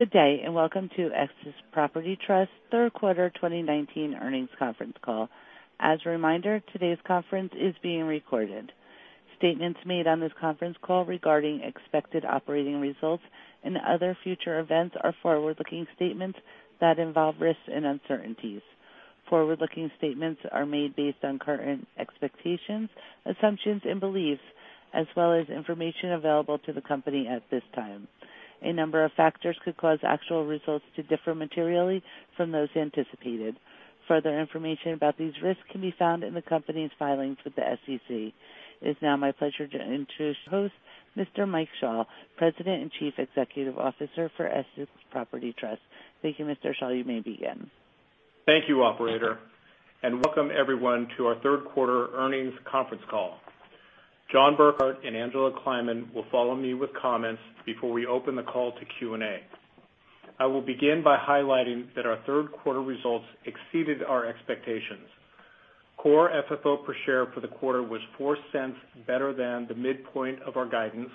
Good day, welcome to Essex Property Trust third quarter 2019 earnings conference call. As a reminder, today's conference is being recorded. Statements made on this conference call regarding expected operating results and other future events are forward-looking statements that involve risks and uncertainties. Forward-looking statements are made based on current expectations, assumptions, and beliefs, as well as information available to the company at this time. A number of factors could cause actual results to differ materially from those anticipated. Further information about these risks can be found in the company's filings with the SEC. It's now my pleasure to introduce host, Mr. Mike Schall, President and Chief Executive Officer for Essex Property Trust. Thank you, Mr. Schall. You may begin. Thank you, operator, and welcome everyone to our third quarter earnings conference call. John Burkart and Angela Kleiman will follow me with comments before we open the call to Q&A. I will begin by highlighting that our third quarter results exceeded our expectations. Core FFO per share for the quarter was $0.04 better than the midpoint of our guidance,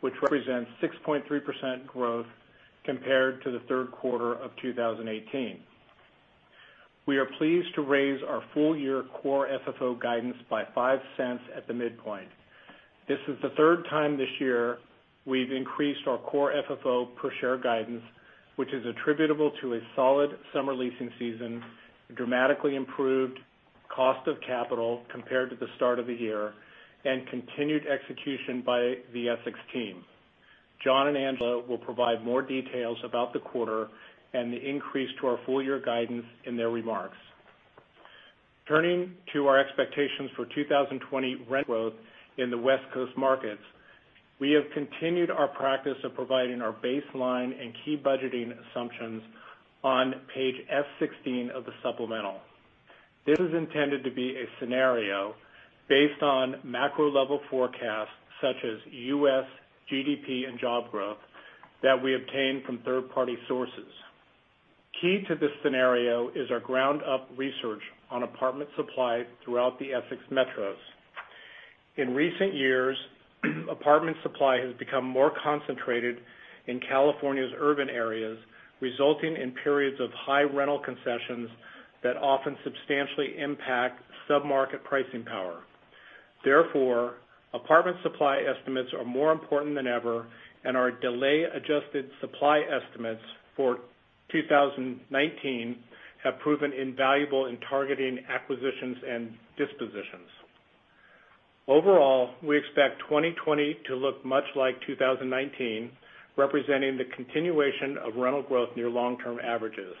which represents 6.3% growth compared to the third quarter of 2018. We are pleased to raise our full-year core FFO guidance by $0.05 at the midpoint. This is the third time this year we've increased our core FFO per share guidance, which is attributable to a solid summer leasing season, a dramatically improved cost of capital compared to the start of the year, and continued execution by the Essex team. John and Angela will provide more details about the quarter and the increase to our full-year guidance in their remarks. Turning to our expectations for 2020 rent growth in the West Coast markets. We have continued our practice of providing our baseline and key budgeting assumptions on page S16 of the supplemental. This is intended to be a scenario based on macro-level forecasts such as U.S. GDP and job growth that we obtain from third-party sources. Key to this scenario is our ground-up research on apartment supply throughout the Essex metros. In recent years, apartment supply has become more concentrated in California's urban areas, resulting in periods of high rental concessions that often substantially impact sub-market pricing power. Therefore, apartment supply estimates are more important than ever, and our delay-adjusted supply estimates for 2019 have proven invaluable in targeting acquisitions and dispositions. Overall, we expect 2020 to look much like 2019, representing the continuation of rental growth near long-term averages.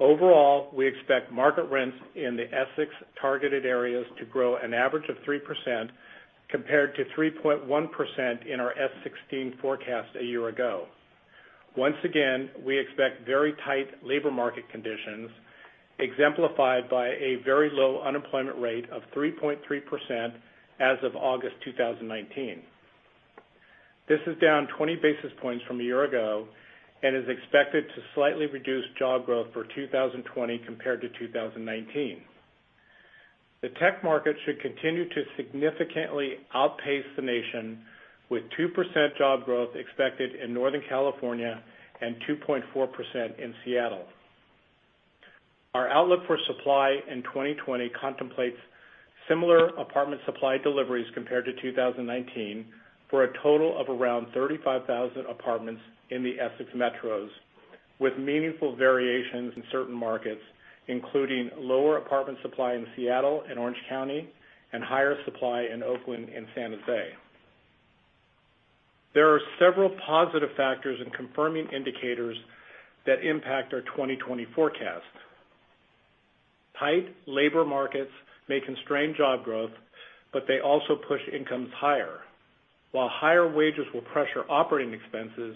Overall, we expect market rents in the Essex targeted areas to grow an average of 3% compared to 3.1% in our S16 forecast a year ago. Once again, we expect very tight labor market conditions, exemplified by a very low unemployment rate of 3.3% as of August 2019. This is down 20 basis points from a year ago and is expected to slightly reduce job growth for 2020 compared to 2019. The tech market should continue to significantly outpace the nation with 2% job growth expected in Northern California and 2.4% in Seattle. Our outlook for supply in 2020 contemplates similar apartment supply deliveries compared to 2019, for a total of around 35,000 apartments in the Essex metros, with meaningful variations in certain markets, including lower apartment supply in Seattle and Orange County and higher supply in Oakland and San Jose. There are several positive factors in confirming indicators that impact our 2020 forecast. Tight labor markets may constrain job growth, but they also push incomes higher. While higher wages will pressure operating expenses,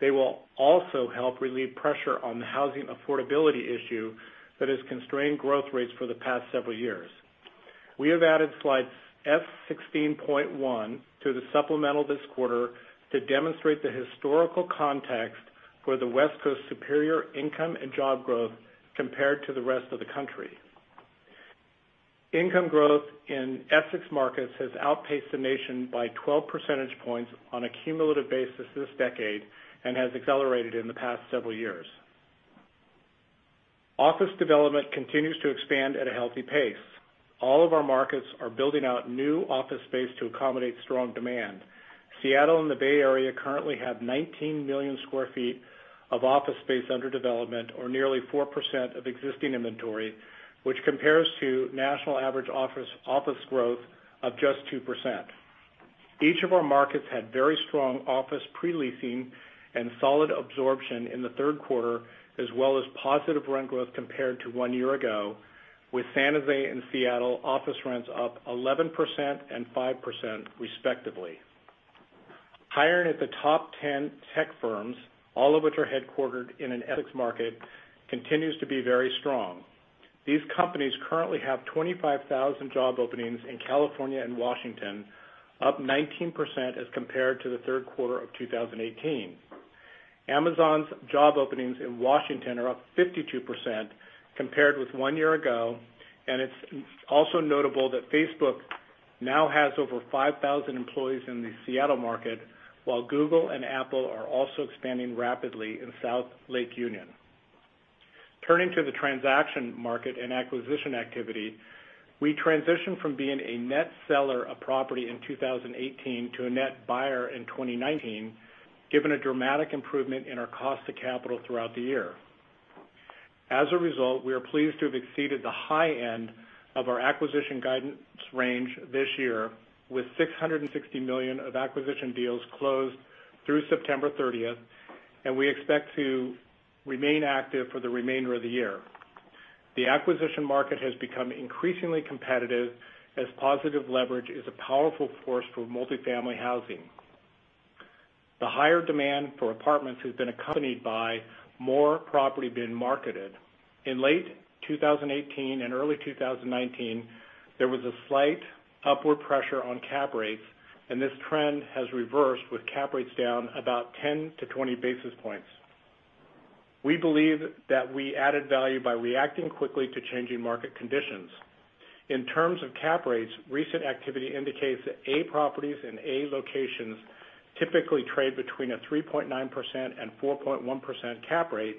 they will also help relieve pressure on the housing affordability issue that has constrained growth rates for the past several years. We have added slide S16.1 to the supplemental this quarter to demonstrate the historical context for the West Coast's superior income and job growth compared to the rest of the country. Income growth in Essex markets has outpaced the nation by 12 percentage points on a cumulative basis this decade and has accelerated in the past several years. Office development continues to expand at a healthy pace. All of our markets are building out new office space to accommodate strong demand. Seattle and the Bay Area currently have 19 million square feet of office space under development, or nearly 4% of existing inventory, which compares to national average office growth of just 2%. Each of our markets had very strong office pre-leasing and solid absorption in the third quarter, as well as positive rent growth compared to one year ago, with San Jose and Seattle office rents up 11% and 5% respectively. Hiring at the top 10 tech firms, all of which are headquartered in an Essex market, continues to be very strong. These companies currently have 25,000 job openings in California and Washington, up 19% as compared to the third quarter of 2018. Amazon's job openings in Washington are up 52% compared with one year ago. It's also notable that Facebook now has over 5,000 employees in the Seattle market, while Google and Apple are also expanding rapidly in South Lake Union. Turning to the transaction market and acquisition activity, we transitioned from being a net seller of property in 2018 to a net buyer in 2019, given a dramatic improvement in our cost of capital throughout the year. As a result, we are pleased to have exceeded the high end of our acquisition guidance range this year, with $660 million of acquisition deals closed through September 30th. We expect to remain active for the remainder of the year. The acquisition market has become increasingly competitive, as positive leverage is a powerful force for multi-family housing. The higher demand for apartments has been accompanied by more property being marketed. In late 2018 and early 2019, there was a slight upward pressure on cap rates, and this trend has reversed with cap rates down about 10-20 basis points. We believe that we added value by reacting quickly to changing market conditions. In terms of cap rates, recent activity indicates that A properties in A locations typically trade between a 3.9% and 4.1% cap rate,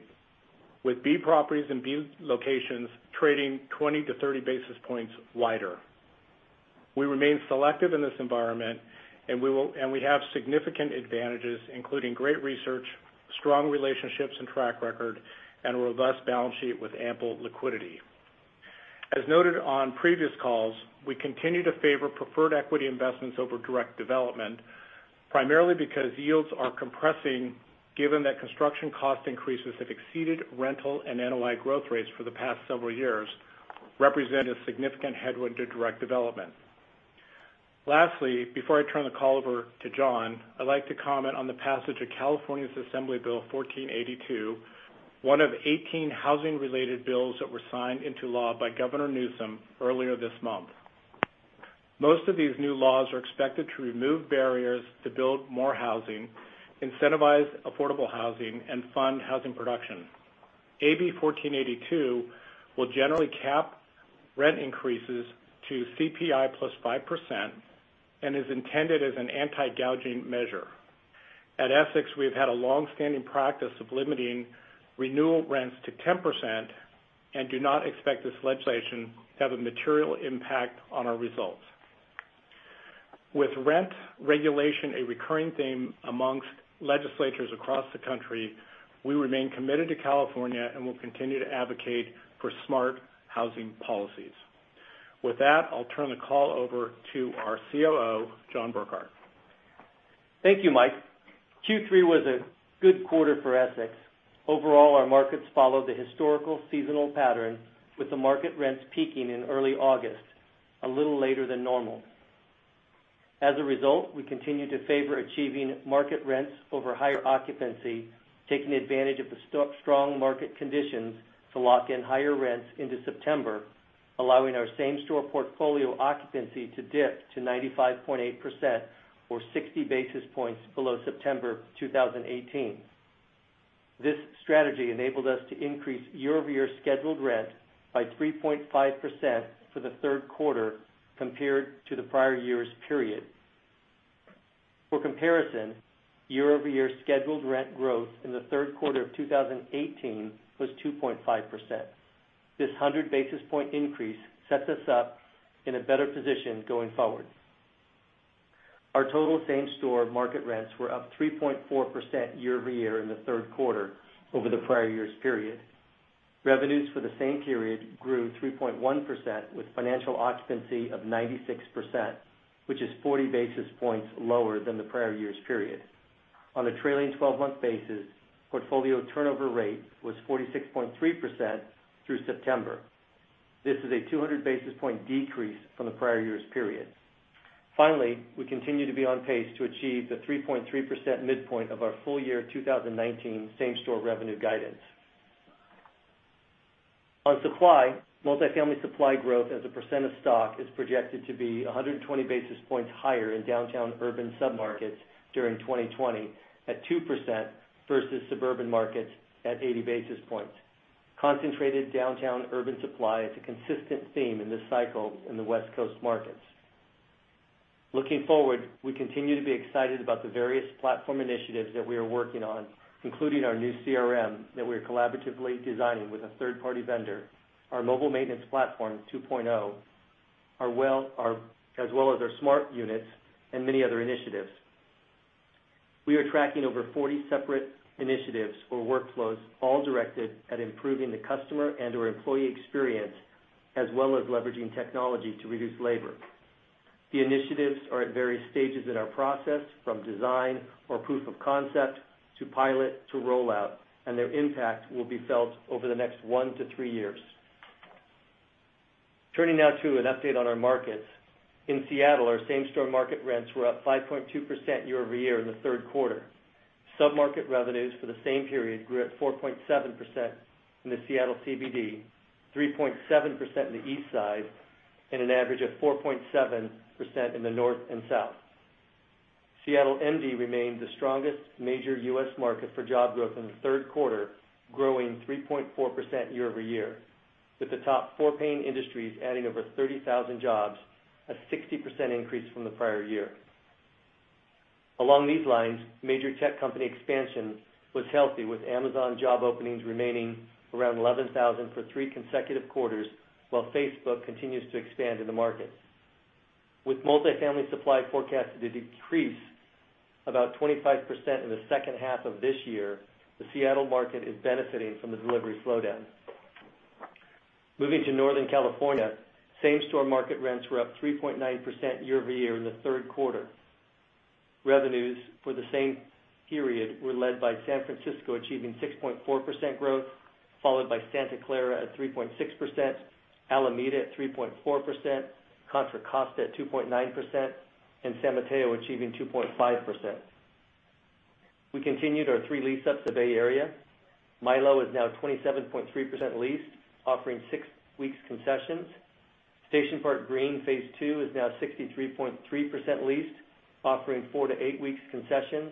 with B properties in B locations trading 20-30 basis points wider. We remain selective in this environment, and we have significant advantages, including great research, strong relationships and track record, and a robust balance sheet with ample liquidity. As noted on previous calls, we continue to favor preferred equity investments over direct development, primarily because yields are compressing, given that construction cost increases have exceeded rental and NOI growth rates for the past several years, represent a significant headwind to direct development. Lastly, before I turn the call over to John, I'd like to comment on the passage of California's Assembly Bill 1482, one of 18 housing-related bills that were signed into law by Governor Newsom earlier this month. Most of these new laws are expected to remove barriers to build more housing, incentivize affordable housing, and fund housing production. AB 1482 will generally cap rent increases to CPI plus 5% and is intended as an anti-gouging measure. At Essex, we've had a long-standing practice of limiting renewal rents to 10% and do not expect this legislation to have a material impact on our results. With rent regulation a recurring theme amongst legislatures across the country, we remain committed to California and will continue to advocate for smart housing policies. With that, I'll turn the call over to our COO, John Burkart. Thank you, Mike. Q3 was a good quarter for Essex. Overall, our markets followed the historical seasonal pattern, with the market rents peaking in early August, a little later than normal. As a result, we continue to favor achieving market rents over higher occupancy, taking advantage of the strong market conditions to lock in higher rents into September, allowing our same-store portfolio occupancy to dip to 95.8%, or 60 basis points below September 2018. This strategy enabled us to increase year-over-year scheduled rent by 3.5% for the third quarter compared to the prior year's period. For comparison, year-over-year scheduled rent growth in the third quarter of 2018 was 2.5%. This 100 basis point increase sets us up in a better position going forward. Our total same-store market rents were up 3.4% year-over-year in the third quarter over the prior year's period. Revenues for the same period grew 3.1% with financial occupancy of 96%, which is 40 basis points lower than the prior year's period. On a trailing 12-month basis, portfolio turnover rate was 46.3% through September. This is a 200 basis point decrease from the prior year's period. Finally, we continue to be on pace to achieve the 3.3% midpoint of our full year 2019 same-store revenue guidance. On supply, multi-family supply growth as a % of stock is projected to be 120 basis points higher in downtown urban submarkets during 2020 at 2% versus suburban markets at 80 basis points. Concentrated downtown urban supply is a consistent theme in this cycle in the West Coast markets. Looking forward, we continue to be excited about the various platform initiatives that we are working on, including our new CRM that we are collaboratively designing with a third-party vendor, our Mobile Maintenance Platform 2.0, as well as our smart units and many other initiatives. We are tracking over 40 separate initiatives or workflows, all directed at improving the customer and/or employee experience, as well as leveraging technology to reduce labor. The initiatives are at various stages in our process, from design or proof of concept to pilot to rollout, and their impact will be felt over the next one to three years. Turning now to an update on our markets. In Seattle, our same-store market rents were up 5.2% year-over-year in the third quarter. Submarket revenues for the same period grew at 4.7% in the Seattle CBD, 3.7% in the East Side, and an average of 4.7% in the North and South. Seattle MD remained the strongest major U.S. market for job growth in the third quarter, growing 3.4% year-over-year, with the top four paying industries adding over 30,000 jobs, a 60% increase from the prior year. Along these lines, major tech company expansion was healthy, with Amazon job openings remaining around 11,000 for three consecutive quarters, while Facebook continues to expand in the market. With multifamily supply forecast to decrease about 25% in the second half of this year, the Seattle market is benefiting from the delivery slowdown. Moving to Northern California, same-store market rents were up 3.9% year-over-year in the third quarter. Revenues for the same period were led by San Francisco achieving 6.4% growth, followed by Santa Clara at 3.6%, Alameda at 3.4%, Contra Costa at 2.9%, and San Mateo achieving 2.5%. We continued our three lease-ups at Bay Area. Mylo is now 27.3% leased, offering six weeks' concessions. Station Park Green phase two is now 63.3% leased, offering 4-8 weeks' concessions.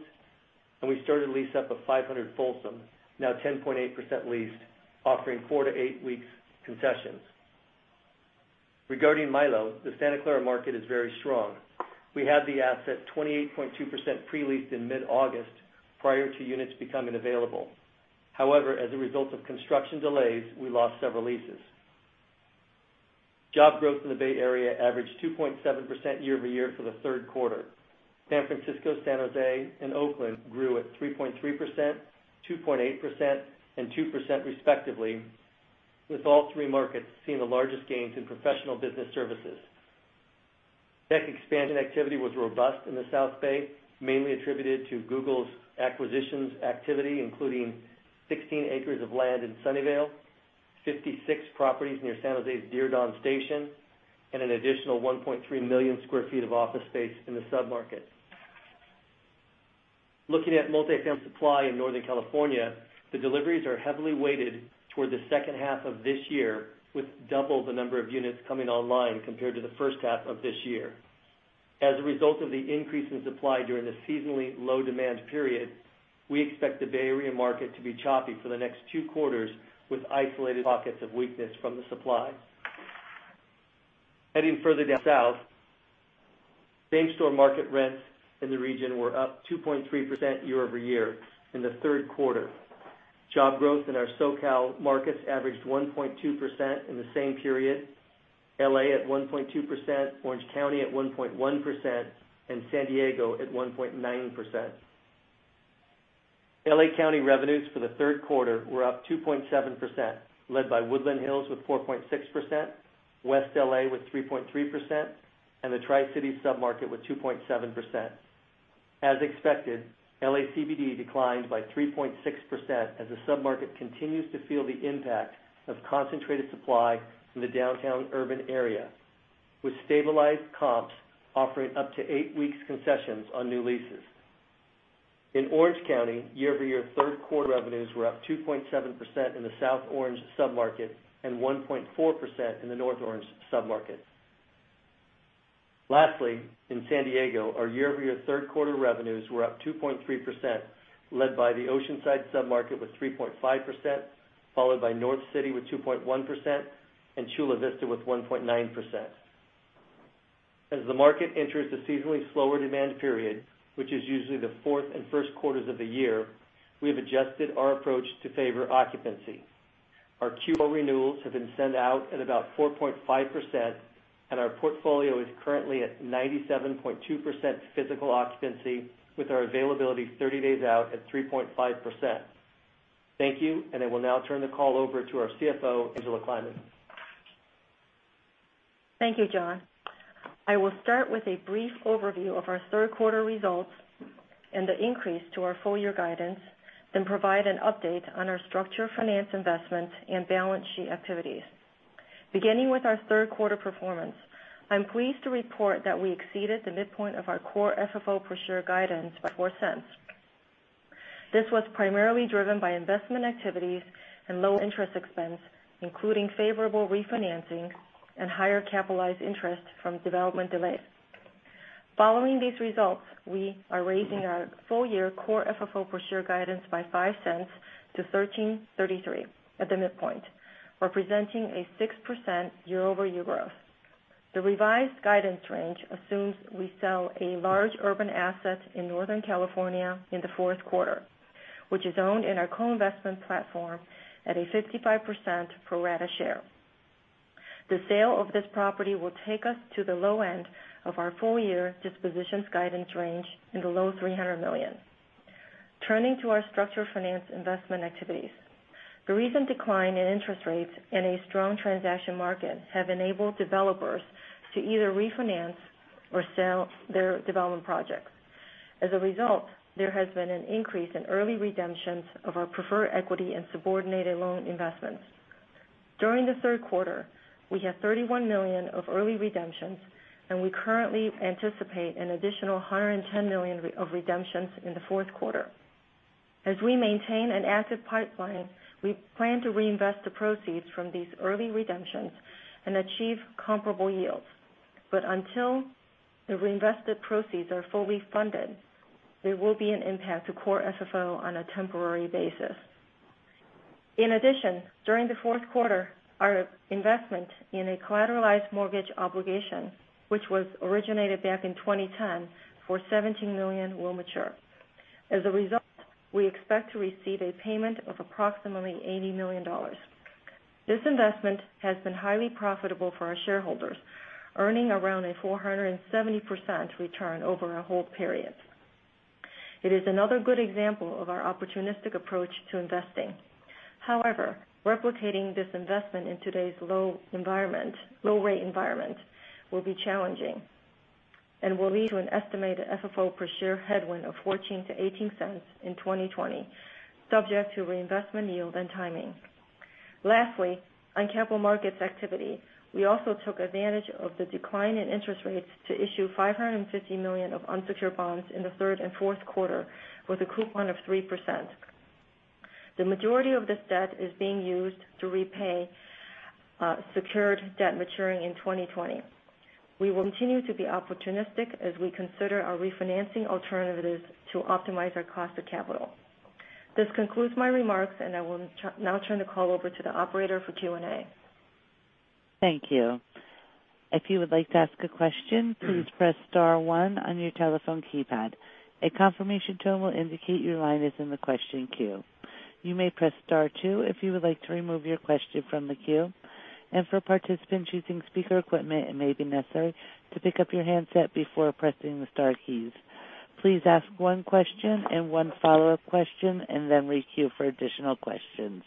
We started a lease up of 500 Folsom, now 10.8% leased, offering 4-8 weeks' concessions. Regarding Mylo, the Santa Clara market is very strong. We had the asset 28.2% pre-leased in mid-August, prior to units becoming available. However, as a result of construction delays, we lost several leases. Job growth in the Bay Area averaged 2.7% year-over-year for the third quarter. San Francisco, San Jose, and Oakland grew at 3.3%, 2.8%, and 2% respectively, with all three markets seeing the largest gains in professional business services. Tech expansion activity was robust in the South Bay, mainly attributed to Google's acquisitions activity, including 16 acres of land in Sunnyvale, 56 properties near San Jose's Diridon Station, and an additional 1.3 million square feet of office space in the sub-market. Looking at multifamily supply in Northern California, the deliveries are heavily weighted towards the second half of this year, with double the number of units coming online compared to the first half of this year. As a result of the increase in supply during the seasonally low-demand period, we expect the Bay Area market to be choppy for the next two quarters, with isolated pockets of weakness from the supply. Heading further down south, same-store market rents in the region were up 2.3% year-over-year in the third quarter. Job growth in our SoCal markets averaged 1.2% in the same period. L.A. at 1.2%, Orange County at 1.1%, and San Diego at 1.9%. L.A. County revenues for the third quarter were up 2.7%, led by Woodland Hills with 4.6%, West L.A. with 3.3%, and the Tri-City sub-market with 2.7%. As expected, L.A. CBD declined by 3.6% as the sub-market continues to feel the impact of concentrated supply in the downtown urban area, with stabilized comps offering up to eight weeks' concessions on new leases. In Orange County, year-over-year third quarter revenues were up 2.7% in the South Orange sub-market and 1.4% in the North Orange sub-market. Lastly, in San Diego, our year-over-year third quarter revenues were up 2.3%, led by the Oceanside sub-market with 3.5%, followed by North City with 2.1%, and Chula Vista with 1.9%. As the market enters the seasonally slower demand period, which is usually the fourth and first quarters of the year, we have adjusted our approach to favor occupancy. Our Q4 renewals have been sent out at about 4.5%, and our portfolio is currently at 97.2% physical occupancy, with our availability 30 days out at 3.5%. Thank you. I will now turn the call over to our CFO, Angela Kleiman. Thank you, John. I will start with a brief overview of our third quarter results and the increase to our full-year guidance, then provide an update on our structured finance investment and balance sheet activities. Beginning with our third quarter performance, I'm pleased to report that we exceeded the midpoint of our core FFO per share guidance by $0.04. This was primarily driven by investment activities and low interest expense, including favorable refinancing and higher capitalized interest from development delays. Following these results, we are raising our full-year core FFO per share guidance by $0.05 to $13.33 at the midpoint, representing a 6% year-over-year growth. The revised guidance range assumes we sell a large urban asset in Northern California in the fourth quarter, which is owned in our co-investment platform at a 55% pro rata share. The sale of this property will take us to the low end of our full-year dispositions guidance range in the low $300 million. Turning to our structured finance investment activities. The recent decline in interest rates and a strong transaction market have enabled developers to either refinance or sell their development projects. As a result, there has been an increase in early redemptions of our preferred equity and subordinated loan investments. During the third quarter, we had $31 million of early redemptions, and we currently anticipate an additional $110 million of redemptions in the fourth quarter. As we maintain an active pipeline, we plan to reinvest the proceeds from these early redemptions and achieve comparable yields. Until the reinvested proceeds are fully funded, there will be an impact to core FFO on a temporary basis. During the fourth quarter, our investment in a collateralized mortgage obligation, which was originated back in 2010 for $17 million will mature. We expect to receive a payment of approximately $80 million. This investment has been highly profitable for our shareholders, earning around a 470% return over the hold period. It is another good example of our opportunistic approach to investing. Replicating this investment in today's low rate environment will be challenging and will lead to an estimated FFO per share headwind of $0.14-$0.18 in 2020, subject to reinvestment yield and timing. On capital markets activity, we also took advantage of the decline in interest rates to issue $550 million of unsecured bonds in the third and fourth quarter with a coupon of 3%. The majority of this debt is being used to repay secured debt maturing in 2020. We will continue to be opportunistic as we consider our refinancing alternatives to optimize our cost of capital. This concludes my remarks, and I will now turn the call over to the operator for Q&A. Thank you. If you would like to ask a question, please press star one on your telephone keypad. A confirmation tone will indicate your line is in the question queue. You may press star two if you would like to remove your question from the queue. For participants using speaker equipment, it may be necessary to pick up your handset before pressing the star keys. Please ask one question and one follow-up question, then we queue for additional questions.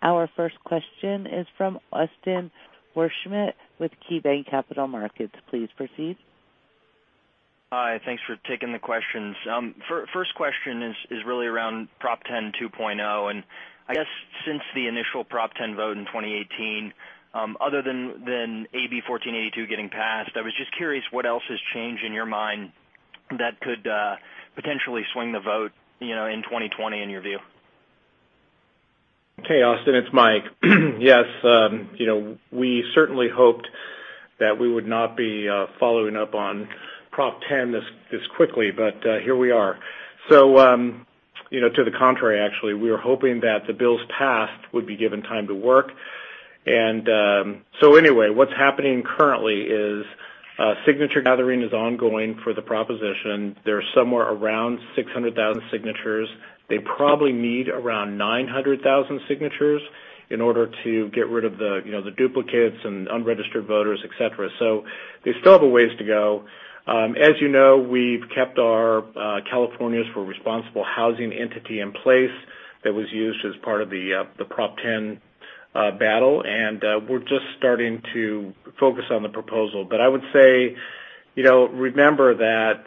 Our first question is from Austin Wurschmidt with KeyBanc Capital Markets. Please proceed. Hi, thanks for taking the questions. First question is really around Proposition 10 2.0. I guess since the initial Proposition 10 vote in 2018, other than AB 1482 getting passed, I was just curious what else has changed in your mind that could potentially swing the vote in 2020 in your view? Okay, Austin, it's Mike. Yes. We certainly hoped that we would not be following up on Prop 10 this quickly, but here we are. To the contrary, actually, we were hoping that the bills passed would be given time to work. What's happening currently is signature gathering is ongoing for the proposition. There's somewhere around 600,000 signatures. They probably need around 900,000 signatures in order to get rid of the duplicates and unregistered voters, et cetera. They still have a ways to go. As you know, we've kept our Californians for Responsible Housing entity in place that was used as part of the Prop 10 battle, and we're just starting to focus on the proposal. I would say, remember that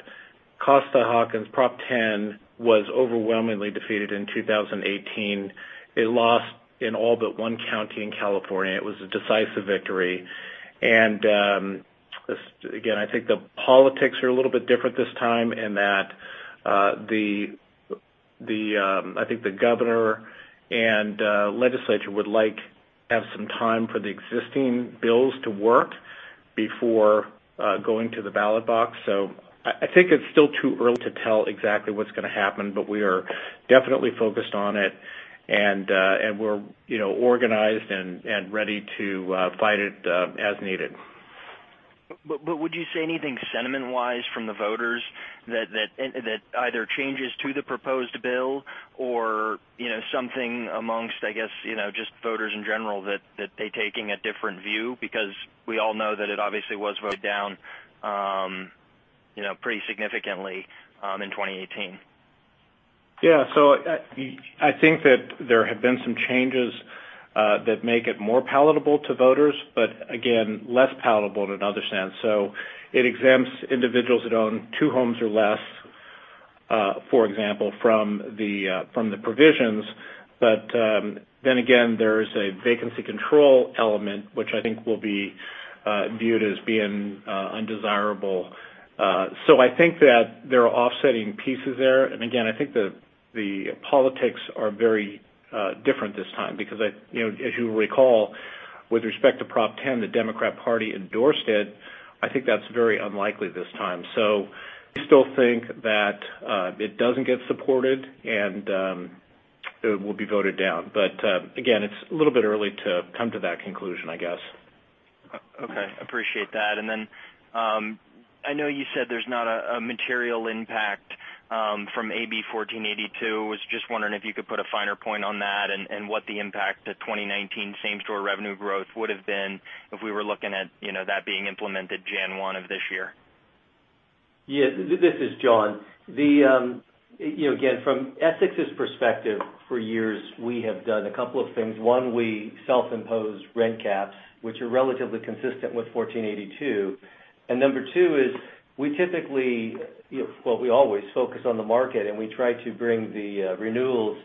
Costa-Hawkins Prop 10 was overwhelmingly defeated in 2018. It lost in all but one county in California. It was a decisive victory. Again, I think the politics are a little bit different this time in that I think the Governor and legislature would like to have some time for the existing bills to work before going to the ballot box. I think it's still too early to tell exactly what's going to happen, but we are definitely focused on it, and we're organized and ready to fight it, as needed. Would you say anything sentiment-wise from the voters that either changes to the proposed bill or something amongst, I guess, just voters in general that they're taking a different view? Because we all know that it obviously was voted down pretty significantly in 2018. Yeah. I think that there have been some changes that make it more palatable to voters, but again, less palatable in another sense. It exempts individuals that own two homes or less, for example, from the provisions. Again, there's a vacancy control element, which I think will be viewed as being undesirable. I think that there are offsetting pieces there. Again, I think the politics are very different this time because as you recall, with respect to Proposition 10, the Democratic Party endorsed it. I think that's very unlikely this time. We still think that it doesn't get supported, and it will be voted down. Again, it's a little bit early to come to that conclusion, I guess. Okay. Appreciate that. I know you said there's not a material impact from AB 1482. I was just wondering if you could put a finer point on that and what the impact to 2019 same-store revenue growth would've been if we were looking at that being implemented January 1 of this year. Yeah. This is John. Again, from Essex's perspective, for years, we have done a couple of things. One, we self-impose rent caps, which are relatively consistent with AB 1482. Number 2 is, well, we always focus on the market, and we try to bring the renewals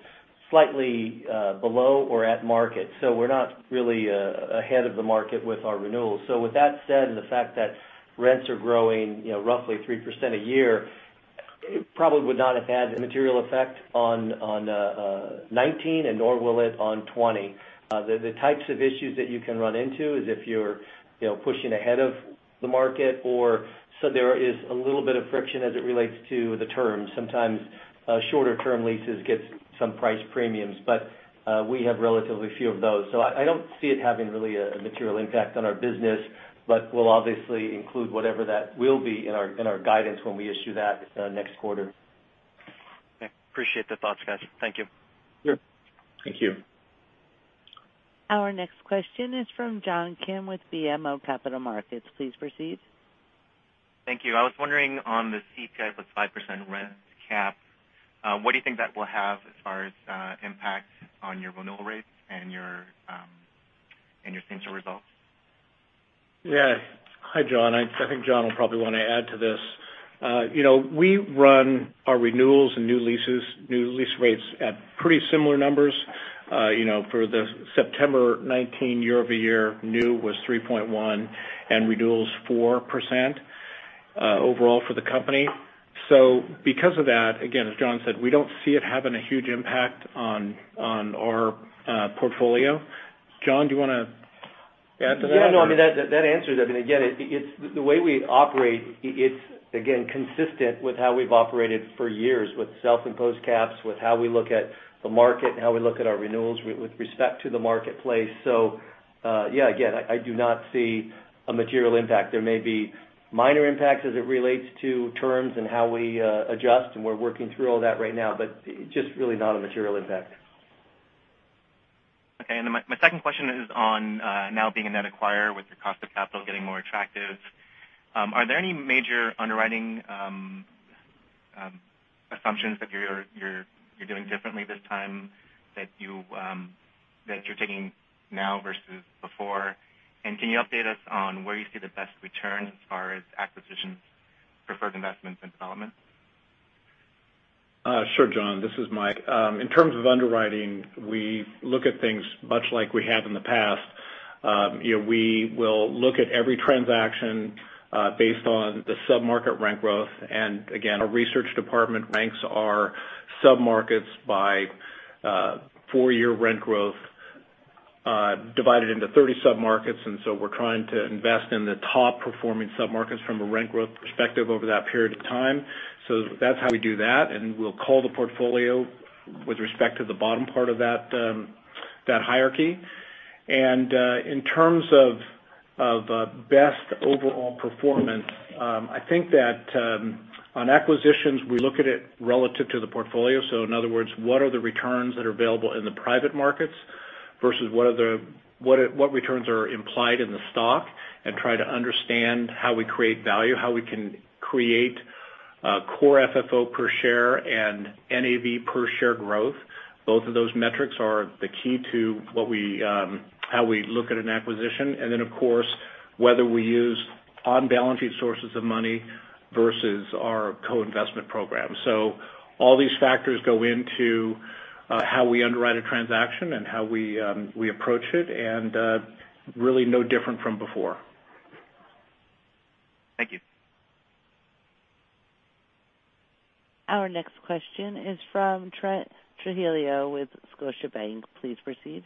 slightly below or at market. We're not really ahead of the market with our renewals. With that said, and the fact that rents are growing roughly 3% a year, it probably would not have had a material effect on 2019 and nor will it on 2020. The types of issues that you can run into is if you're pushing ahead of the market, there is a little bit of friction as it relates to the terms. Sometimes shorter-term leases get some price premiums, but we have relatively few of those. I don't see it having really a material impact on our business. We'll obviously include whatever that will be in our guidance when we issue that next quarter. Okay. Appreciate the thoughts, guys. Thank you. Sure. Thank you. Our next question is from John Kim with BMO Capital Markets. Please proceed. Thank you. I was wondering on the CPI with 5% rent cap, what do you think that will have as far as impact on your renewal rates and your future results? Hi, John. I think John will probably want to add to this. We run our renewals and new leases, new lease rates at pretty similar numbers. For the September 2019 year-over-year, new was 3.1% and renewals 4% overall for the company. Because of that, again, as John said, we don't see it having a huge impact on our portfolio. John, do you want to add to that? Yeah. No, that answers it. Again, the way we operate, it's, again, consistent with how we've operated for years with self-imposed caps, with how we look at the market, and how we look at our renewals with respect to the marketplace. Yeah. Again, I do not see a material impact. There may be minor impacts as it relates to terms and how we adjust, and we're working through all that right now. Just really not a material impact. Okay. My second question is on now being a net acquirer with your cost of capital getting more attractive. Are there any major underwriting assumptions that you're doing differently this time that you're taking now versus before? Can you update us on where you see the best returns as far as acquisitions, preferred investments, and development? Sure, John. This is Mike. In terms of underwriting, we look at things much like we have in the past. We will look at every transaction based on the sub-market rent growth. Again, our research department ranks our sub-markets by four-year rent growth divided into 30 sub-markets. We're trying to invest in the top-performing sub-markets from a rent growth perspective over that period of time. That's how we do that, and we'll call the portfolio with respect to the bottom part of that hierarchy. In terms of best overall performance, I think that on acquisitions, we look at it relative to the portfolio. In other words, what are the returns that are available in the private markets versus what returns are implied in the stock, and try to understand how we create value, how we can create core FFO per share and NAV per share growth. Both of those metrics are the key to how we look at an acquisition. Then, of course, whether we use on-balance sheet sources of money versus our co-investment program. All these factors go into how we underwrite a transaction and how we approach it, and really no different from before. Thank you. Our next question is from Trent Truglia with Scotiabank. Please proceed.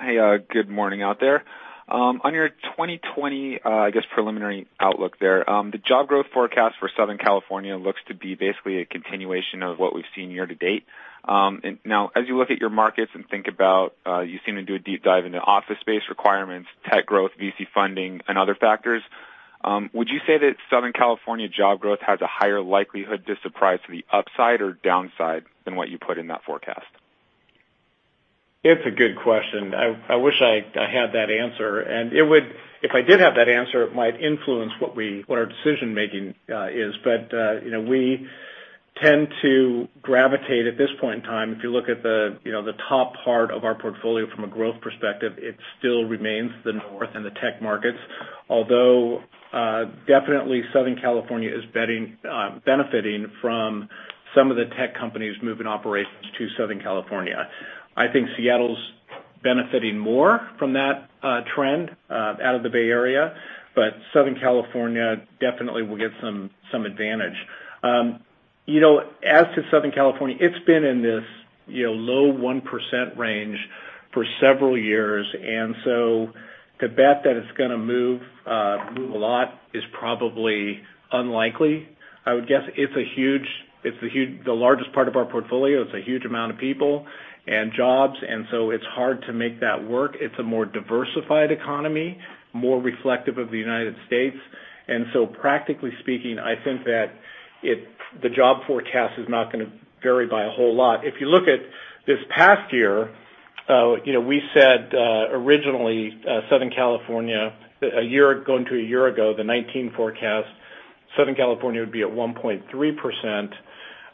Hey. Good morning out there. On your 2020, I guess preliminary outlook there, the job growth forecast for Southern California looks to be basically a continuation of what we've seen year to date. As you look at your markets and think about, you seem to do a deep dive into office space requirements, tech growth, VC funding, and other factors. Would you say that Southern California job growth has a higher likelihood to surprise to the upside or downside than what you put in that forecast? It's a good question. I wish I had that answer. If I did have that answer, it might influence what our decision-making is. We tend to gravitate at this point in time, if you look at the top part of our portfolio from a growth perspective, it still remains the North and the tech markets. Definitely Southern California is benefiting from some of the tech companies moving operations to Southern California. I think Seattle's benefiting more from that trend out of the Bay Area, but Southern California definitely will get some advantage. As to Southern California, it's been in this low 1% range for several years, to bet that it's going to move a lot is probably unlikely. I would guess it's the largest part of our portfolio. It's a huge amount of people and jobs, it's hard to make that work. It's a more diversified economy, more reflective of the U.S. Practically speaking, I think that the job forecast is not going to vary by a whole lot. If you look at this past year, we said originally Southern California, going to a year ago, the 2019 forecast, Southern California would be at 1.3%,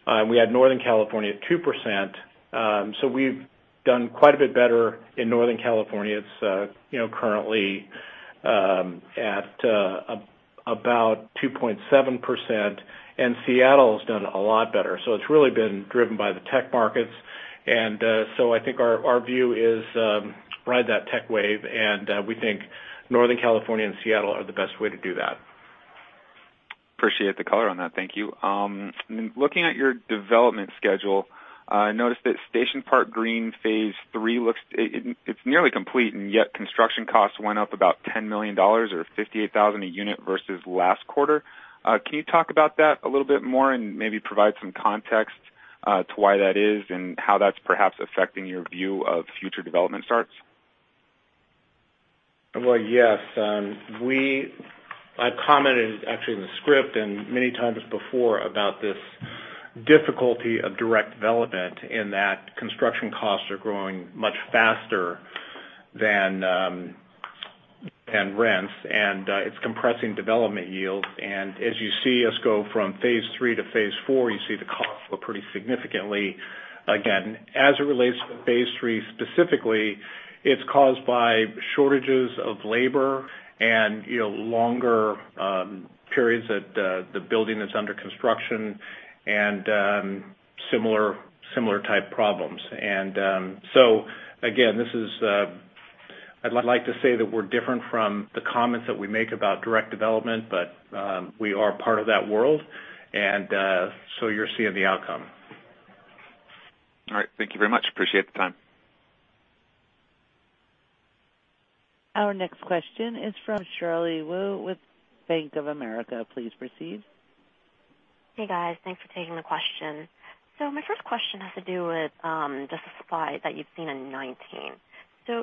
and we had Northern California at 2%. We've done quite a bit better in Northern California. It's currently at about 2.7%, and Seattle's done a lot better. It's really been driven by the tech markets. I think our view is ride that tech wave, and we think Northern California and Seattle are the best way to do that. Appreciate the color on that. Thank you. Looking at your development schedule, I noticed that Station Park Green Phase 3, it's nearly complete, and yet construction costs went up about $10 million, or $58,000 a unit versus last quarter. Can you talk about that a little bit more and maybe provide some context to why that is and how that's perhaps affecting your view of future development starts? Well, yes. I've commented actually in the script and many times before about this difficulty of direct development in that construction costs are growing much faster than rents, and it's compressing development yields. As you see us go from Phase 3 to Phase 4, you see the costs go up pretty significantly. Again, as it relates to Phase 3 specifically, it's caused by shortages of labor and longer periods that the building is under construction and similar type problems. Again, I'd like to say that we're different from the comments that we make about direct development, but we are part of that world, and so you're seeing the outcome. All right. Thank you very much. Appreciate the time. Our next question is from Shirley Wu with Bank of America. Please proceed. Hey, guys. Thanks for taking the question. My first question has to do with just the supply that you've seen in 2019.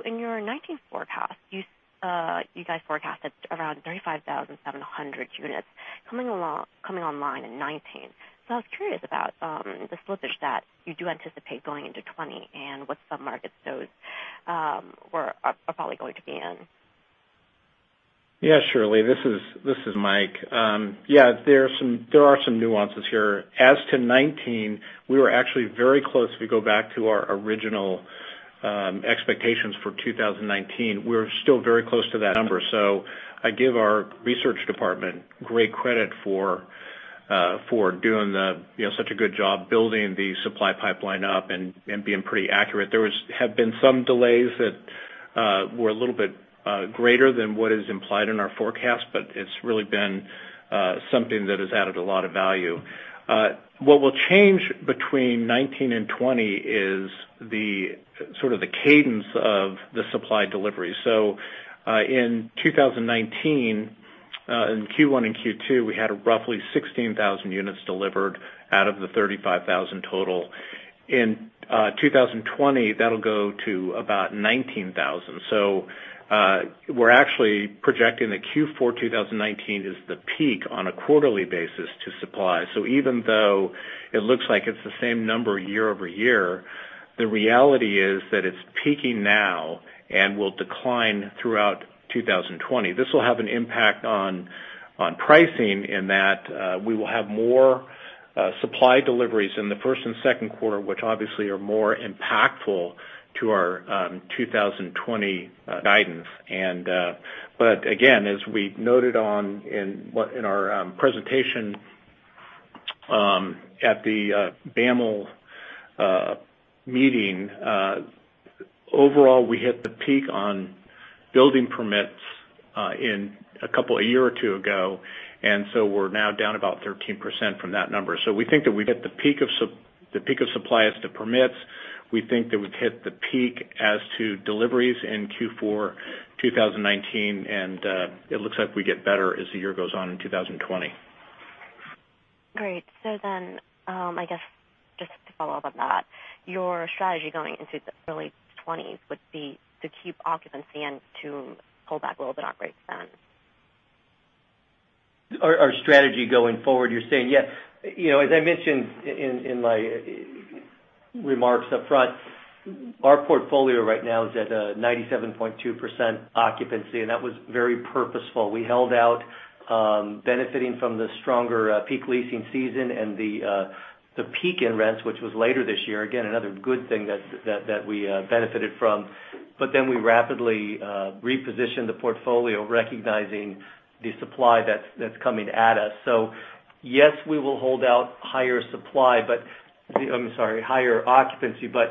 In your 2019 forecast, you guys forecasted around 35,700 units coming online in 2019. I was curious about the slippage that you do anticipate going into 2020 and what sub-markets those are probably going to be in. Yeah, Shirley. This is Mike. There are some nuances here. As to 2019, we were actually very close. If we go back to our original expectations for 2019, we're still very close to that number. I give our research department great credit for doing such a good job building the supply pipeline up and being pretty accurate. There have been some delays that were a little bit greater than what is implied in our forecast, but it's really been something that has added a lot of value. What will change between 2019 and 2020 is sort of the cadence of the supply delivery. In 2019, in Q1 and Q2, we had roughly 16,000 units delivered out of the 35,000 total. In 2020, that'll go to about 19,000. We're actually projecting that Q4 2019 is the peak on a quarterly basis to supply. Even though it looks like it's the same number year over year, the reality is that it's peaking now and will decline throughout 2020. This will have an impact on pricing in that we will have more supply deliveries in the first and second quarter, which obviously are more impactful to our 2020 guidance. Again, as we noted in our presentation at the BAML meeting, overall, we hit the peak on building permits a year or two ago, and so we're now down about 13% from that number. We think that we've hit the peak of supply as to permits. We think that we've hit the peak as to deliveries in Q4 2019, and it looks like we get better as the year goes on in 2020. Great. I guess just to follow up on that, your strategy going into the early 2020s would be to keep occupancy and to pull back a little bit on rate spend. Our strategy going forward, you're saying. As I mentioned in my remarks up front, our portfolio right now is at 97.2% occupancy, and that was very purposeful. We held out benefiting from the stronger peak leasing season and the peak in rents, which was later this year. Again, another good thing that we benefited from. We rapidly repositioned the portfolio, recognizing the supply that's coming at us. Yes, we will hold out higher occupancy, but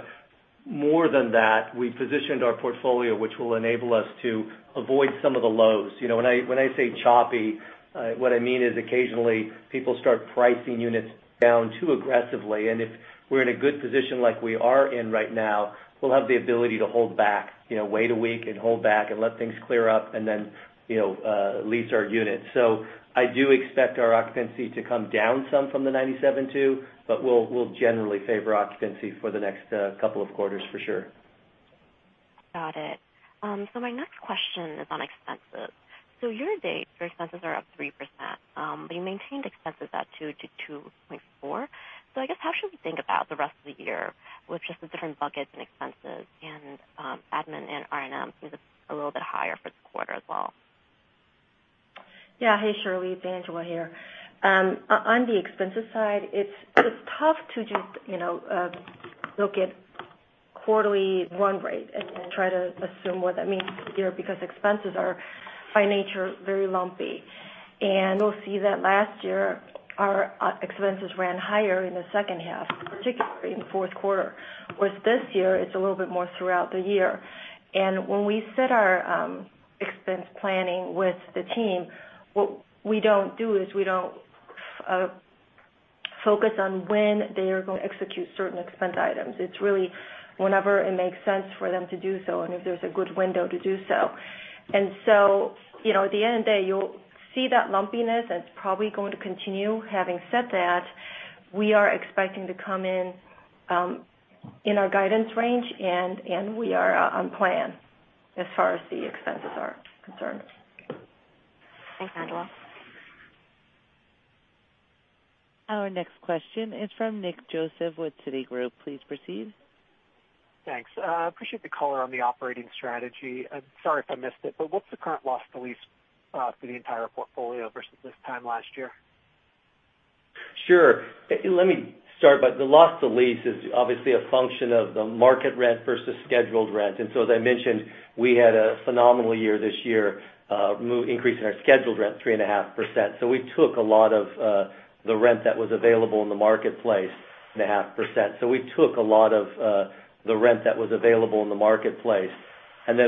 more than that, we positioned our portfolio, which will enable us to avoid some of the lows. When I say choppy, what I mean is occasionally people start pricing units down too aggressively, and if we're in a good position like we are in right now, we'll have the ability to hold back, wait a week, and hold back and let things clear up and then lease our units. I do expect our occupancy to come down some from the 97.2, but we'll generally favor occupancy for the next couple of quarters for sure. Got it. My next question is on expenses. Year-to-date, your expenses are up 3%, but you maintained expenses at 2%-2.4%. I guess how should we think about the rest of the year with just the different buckets and expenses and admin and R&M seems a little bit higher for the quarter as well? Yeah. Hey, Shirley. It's Angela here. On the expenses side, it's tough to just look at quarterly run rate and try to assume what that means for the year, because expenses are by nature very lumpy. You'll see that last year, our expenses ran higher in the second half, particularly in the fourth quarter, whereas this year it's a little bit more throughout the year. When we set our expense planning with the team, what we don't do is we don't focus on when they are going to execute certain expense items. It's really whenever it makes sense for them to do so and if there's a good window to do so. At the end of the day, you'll see that lumpiness, and it's probably going to continue. Having said that, we are expecting to come in in our guidance range, and we are on plan as far as the expenses are concerned. Thanks, Angela. Our next question is from Nick Joseph with Citigroup. Please proceed. Thanks. Appreciate the color on the operating strategy. Sorry if I missed it, but what's the current loss to lease for the entire portfolio versus this time last year? Sure. Let me start by the loss to lease is obviously a function of the market rent versus scheduled rent. As I mentioned, we had a phenomenal year this year, increase in our scheduled rent 3.5%. We took a lot of the rent that was available in the marketplace.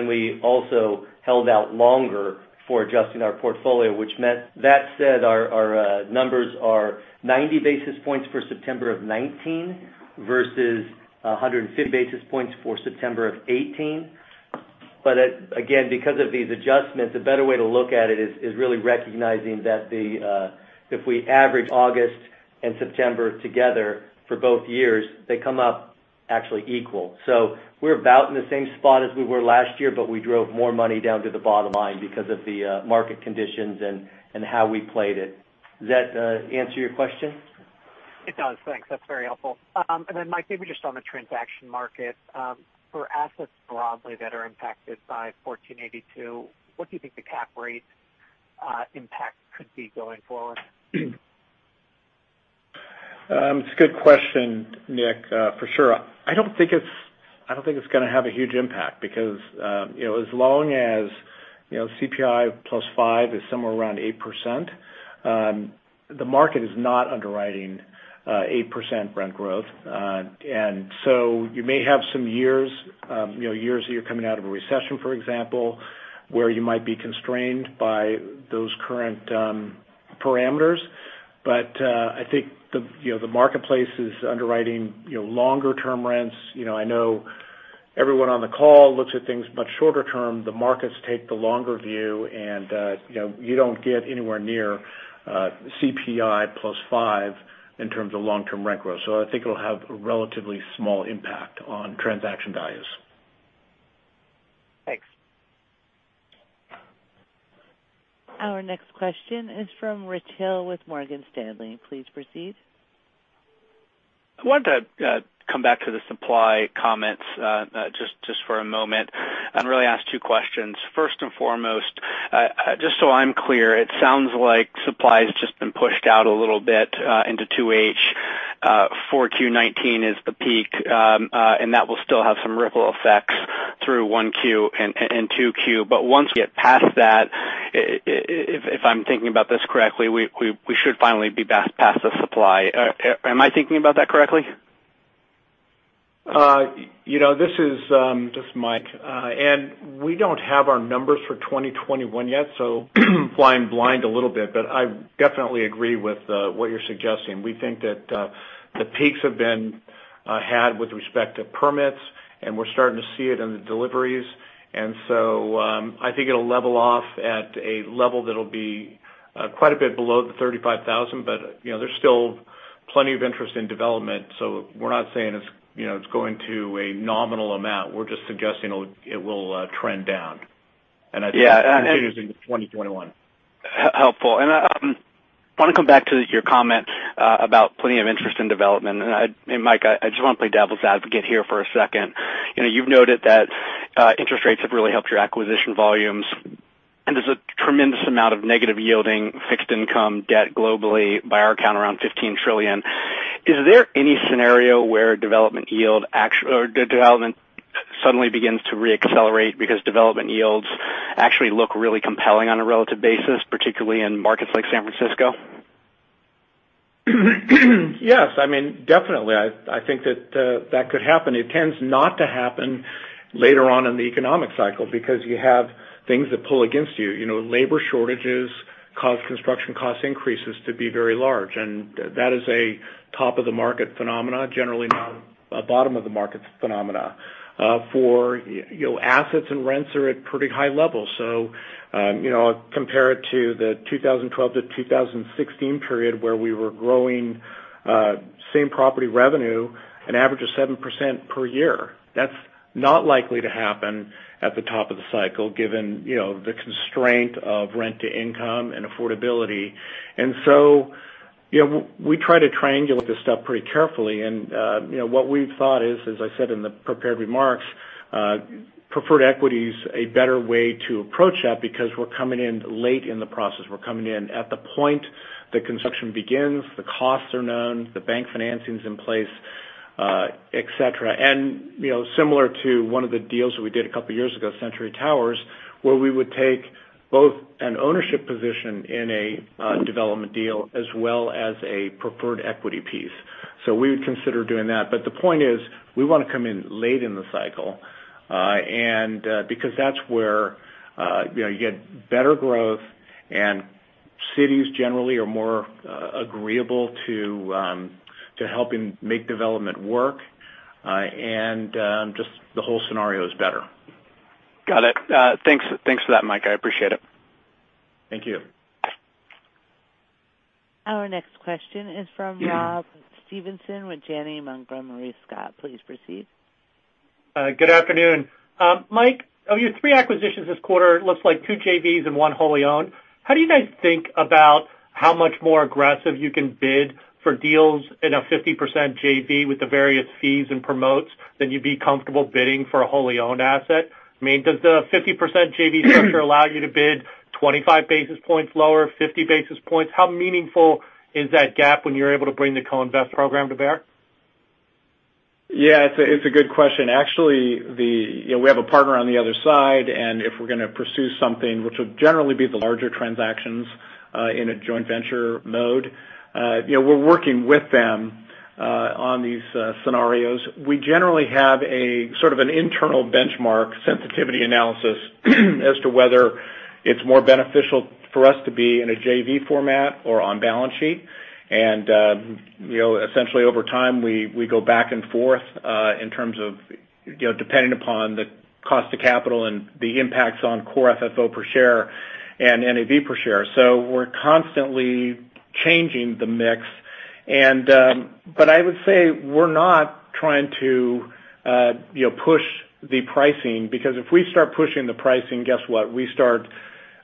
We also held out longer for adjusting our portfolio, which meant that said, our numbers are 90 basis points for September of 2019 versus 150 basis points for September of 2018. Again, because of these adjustments, a better way to look at it is really recognizing that if we average August and September together for both years, they come up actually equal. We're about in the same spot as we were last year, but we drove more money down to the bottom line because of the market conditions and how we played it. Does that answer your question? It does. Thanks. That's very helpful. Mike, maybe just on the transaction market. For assets broadly that are impacted by 1482, what do you think the cap rate impact could be going forward? It's a good question, Nick. For sure. I don't think it's going to have a huge impact because as long as CPI plus five is somewhere around 8%, the market is not underwriting 8% rent growth. You may have some years that you're coming out of a recession, for example, where you might be constrained by those current parameters. I think the marketplace is underwriting longer-term rents. I know everyone on the call looks at things much shorter term. The markets take the longer view, and you don't get anywhere near CPI plus five in terms of long-term rent growth. I think it'll have a relatively small impact on transaction values. Thanks. Our next question is from Richard Hill with Morgan Stanley. Please proceed. I wanted to come back to the supply comments just for a moment and really ask two questions. First and foremost, just so I'm clear, it sounds like supply has just been pushed out a little bit into 2H. 4Q 2019 is the peak, and that will still have some ripple effects through 1Q and 2Q. Once we get past that, if I'm thinking about this correctly, we should finally be back past the supply. Am I thinking about that correctly? This is Mike. We don't have our numbers for 2021 yet, flying blind a little bit. I definitely agree with what you're suggesting. We think that the peaks have been had with respect to permits, and we're starting to see it in the deliveries. I think it'll level off at a level that'll be quite a bit below the 35,000. There's still plenty of interest in development. We're not saying it's going to a nominal amount. We're just suggesting it will trend down. Yeah. I think it continues into 2021. Helpful. I want to come back to your comment about plenty of interest in development. Mike, I just want to play devil's advocate here for a second. You've noted that interest rates have really helped your acquisition volumes, and there's a tremendous amount of negative yielding fixed income debt globally, by our count, around $15 trillion. Is there any scenario where development suddenly begins to re-accelerate because development yields actually look really compelling on a relative basis, particularly in markets like San Francisco? Yes. Definitely. I think that that could happen. It tends not to happen later on in the economic cycle because you have things that pull against you. Labor shortages cause construction cost increases to be very large, and that is a top-of-the-market phenomena, generally not a bottom-of-the-markets phenomena. For assets and rents are at pretty high levels. Compare it to the 2012 to 2016 period where we were growing same property revenue an average of 7% per year. That's not likely to happen at the top of the cycle given the constraint of rent-to-income and affordability. We try to triangulate this stuff pretty carefully. What we've thought is, as I said in the prepared remarks, preferred equity is a better way to approach that because we're coming in late in the process. We're coming in at the point that construction begins, the costs are known, the bank financing is in place, et cetera. Similar to one of the deals that we did a couple of years ago, Century Towers, where we would take both an ownership position in a development deal as well as a preferred equity piece. We would consider doing that. The point is, we want to come in late in the cycle, because that's where you get better growth and cities generally are more agreeable to helping make development work, and just the whole scenario is better. Got it. Thanks for that, Mike. I appreciate it. Thank you. Our next question is from Rob Stevenson with Janney Montgomery Scott. Please proceed. Good afternoon. Mike, of your three acquisitions this quarter, it looks like two JVs and one wholly owned. How do you guys think about how much more aggressive you can bid for deals in a 50% JV with the various fees and promotes than you'd be comfortable bidding for a wholly owned asset? I mean, does the 50% JV structure allow you to bid 25 basis points lower, 50 basis points? How meaningful is that gap when you're able to bring the co-invest program to bear? Yeah, it's a good question. Actually, we have a partner on the other side. If we're going to pursue something, which will generally be the larger transactions, in a JV mode, we're working with them on these scenarios. We generally have a sort of an internal benchmark sensitivity analysis as to whether it's more beneficial for us to be in a JV format or on balance sheet. Essentially over time, we go back and forth, in terms of, depending upon the cost of capital and the impacts on core FFO per share and NAV per share. We're constantly changing the mix. I would say we're not trying to push the pricing, because if we start pushing the pricing, guess what. We start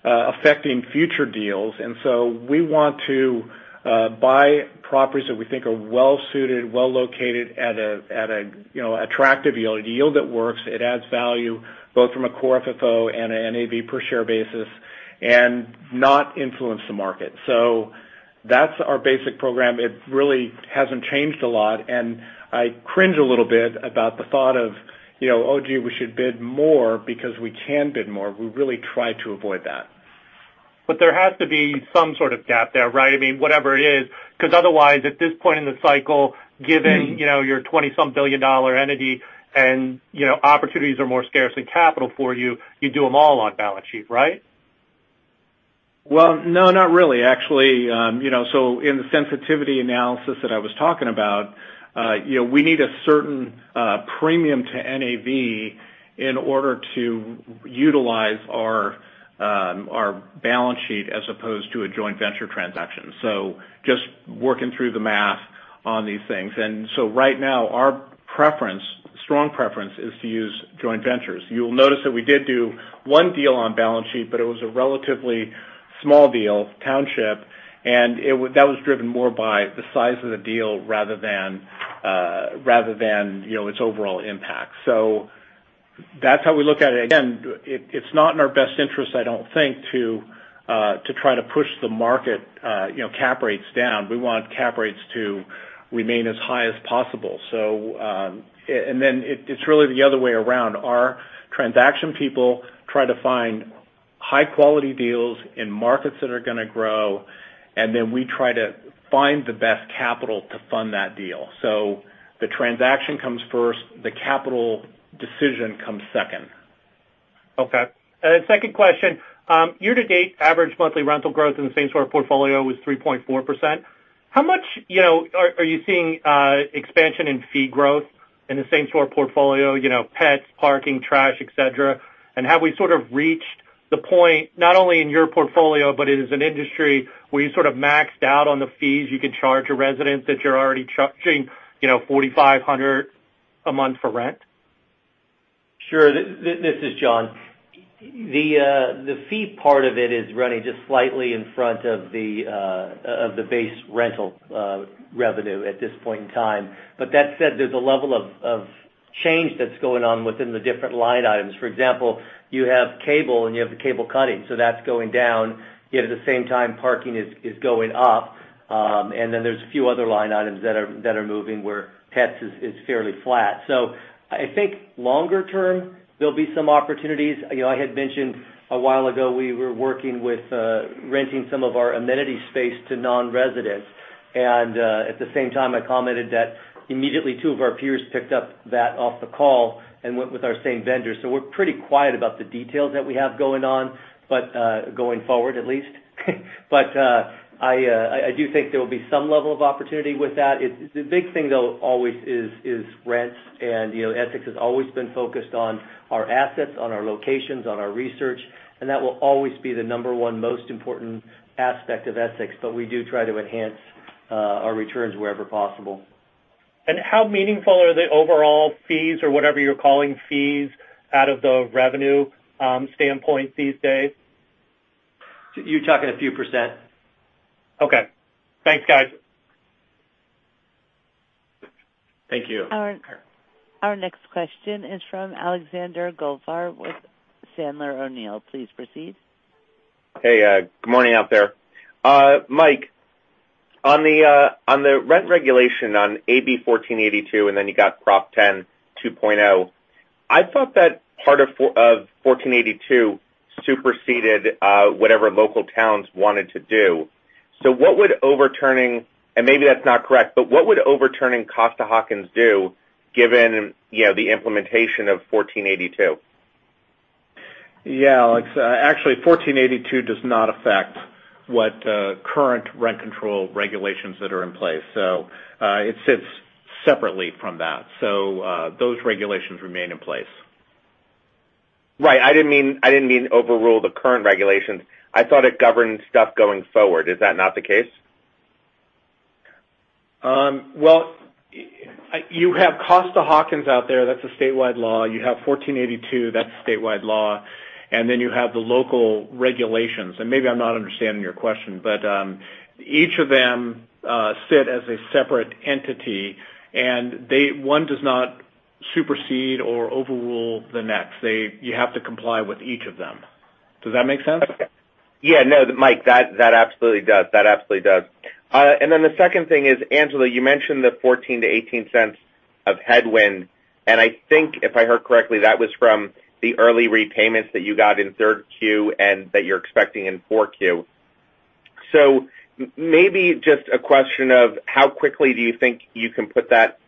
affecting future deals. We want to buy properties that we think are well-suited, well-located at a attractive yield, a yield that works, it adds value, both from a core FFO and a NAV per share basis, and not influence the market. That's our basic program. It really hasn't changed a lot, and I cringe a little bit about the thought of, oh, gee, we should bid more because we can bid more. We really try to avoid that. There has to be some sort of gap there, right? I mean, whatever it is, because otherwise, at this point in the cycle, given your 20-some billion-dollar entity and opportunities are more scarce in capital for you do them all on balance sheet, right? Well, no, not really, actually. In the sensitivity analysis that I was talking about, we need a certain premium to NAV in order to utilize our balance sheet as opposed to a joint venture transaction. Just working through the math on these things. Right now, our preference, strong preference, is to use joint ventures. You'll notice that we did do one deal on balance sheet, but it was a relatively small deal, Township, and that was driven more by the size of the deal rather than its overall impact. That's how we look at it. Again, it's not in our best interest, I don't think, to try to push the market cap rates down. We want cap rates to remain as high as possible. It's really the other way around. Our transaction people try to find high-quality deals in markets that are going to grow, then we try to find the best capital to fund that deal. The transaction comes first, the capital decision comes second. Okay. Second question. Year-to-date average monthly rental growth in the same-store portfolio was 3.4%. How much are you seeing expansion in fee growth in the same-store portfolio, pets, parking, trash, et cetera? Have we sort of reached the point, not only in your portfolio, but as an industry, where you sort of maxed out on the fees you can charge a resident that you're already charging, $4,500 a month for rent? Sure. This is John. The fee part of it is running just slightly in front of the base rental revenue at this point in time. That said, there's a level of change that's going on within the different line items. For example, you have cable and you have the cable cutting, so that's going down. Yet at the same time, parking is going up. Then there's a few other line items that are moving where pets is fairly flat. I think longer term, there'll be some opportunities. I had mentioned a while ago, we were working with renting some of our amenity space to non-residents. At the same time, I commented that immediately two of our peers picked up that off the call and went with our same vendors. We're pretty quiet about the details that we have going on, but going forward at least. I do think there will be some level of opportunity with that. The big thing, though, always is rents, and Essex has always been focused on our assets, on our locations, on our research, and that will always be the number one most important aspect of Essex, but we do try to enhance our returns wherever possible. How meaningful are the overall fees or whatever you're calling fees out of the revenue standpoint these days? You're talking a few %. Okay. Thanks, guys. Thank you. Our next question is from Alexander Goldfarb with Sandler O'Neill. Please proceed. Hey, good morning out there. Mike, on the rent regulation on AB 1482, and then you got Prop 10 2.0. I thought that part of 1482 superseded whatever local towns wanted to do. Maybe that's not correct, but what would overturning Costa-Hawkins do, given the implementation of 1482? Yeah, Alex. Actually, 1482 does not affect what current rent control regulations that are in place. It sits separately from that. Those regulations remain in place. Right. I didn't mean overrule the current regulations. I thought it governed stuff going forward. Is that not the case? Well, you have Costa-Hawkins out there. That's a statewide law. You have 1482. That's a statewide law. Then you have the local regulations. Maybe I'm not understanding your question, but each of them sit as a separate entity, and one does not supersede or overrule the next. You have to comply with each of them. Does that make sense? Mike, that absolutely does. The second thing is, Angela, you mentioned the $0.14-$0.18 of headwind, and I think if I heard correctly, that was from the early repayments that you got in third Q and that you're expecting in four Q. Maybe just a question of how quickly do you think you can put that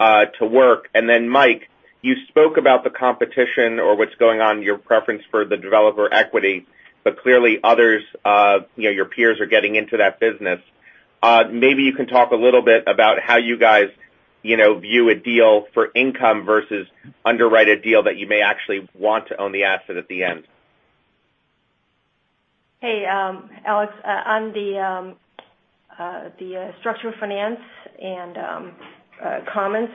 to work? Mike, you spoke about the competition or what's going on, your preference for the developer equity, clearly others, your peers are getting into that business. Maybe you can talk a little bit about how you guys view a deal for income versus underwrite a deal that you may actually want to own the asset at the end. Hey, Alex. On the structural finance and comments,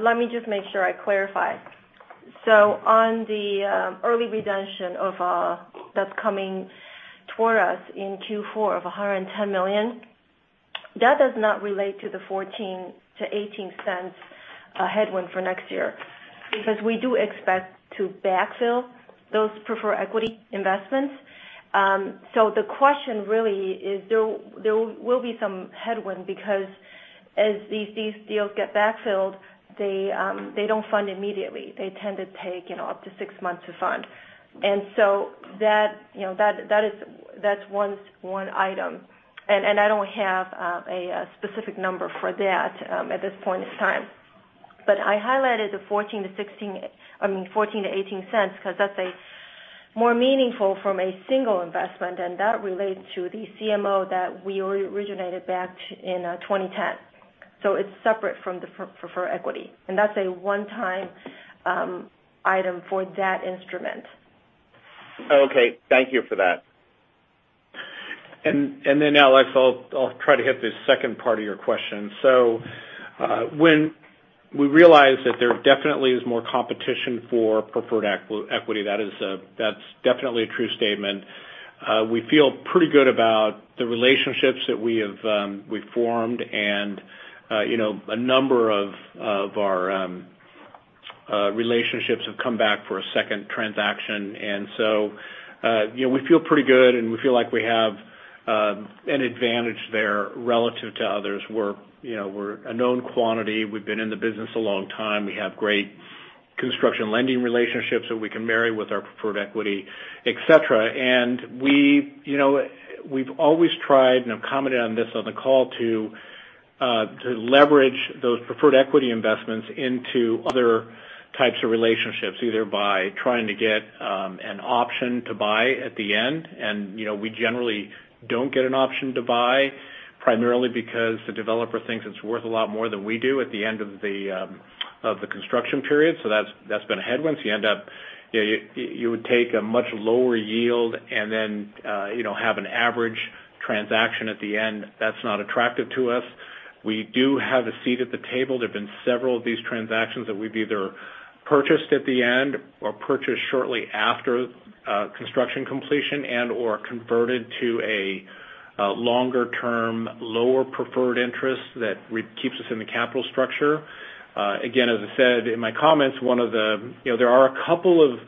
let me just make sure I clarify. On the early redemption that's coming toward us in Q4 of $110 million, that does not relate to the $0.14-$0.18 headwind for next year because we do expect to backfill those preferred equity investments. The question really is there will be some headwind because as these deals get backfilled, they don't fund immediately. They tend to take up to six months to fund. That's one item. I don't have a specific number for that at this point in time. I highlighted the $0.14-$0.18 because that's more meaningful from a single investment, and that relates to the CMO that we originated back in 2010. It's separate from the preferred equity. That's a one-time item for that instrument. Okay. Thank you for that. Alex, I'll try to hit the second part of your question. When we realized that there definitely is more competition for preferred equity, that's definitely a true statement. We feel pretty good about the relationships that we've formed, and a number of our relationships have come back for a second transaction. We feel pretty good, and we feel like we have an advantage there relative to others. We're a known quantity. We've been in the business a long time. We have great construction lending relationships that we can marry with our preferred equity, et cetera. We've always tried, and I've commented on this on the call, to leverage those preferred equity investments into other types of relationships, either by trying to get an option to buy at the end. We generally don't get an option to buy, primarily because the developer thinks it's worth a lot more than we do at the end of the construction period. That's been a headwind. You would take a much lower yield and then have an average transaction at the end. That's not attractive to us. We do have a seat at the table. There have been several of these transactions that we've either purchased at the end or purchased shortly after construction completion and/or converted to a longer-term, lower preferred interest that keeps us in the capital structure. As I said in my comments, there are a couple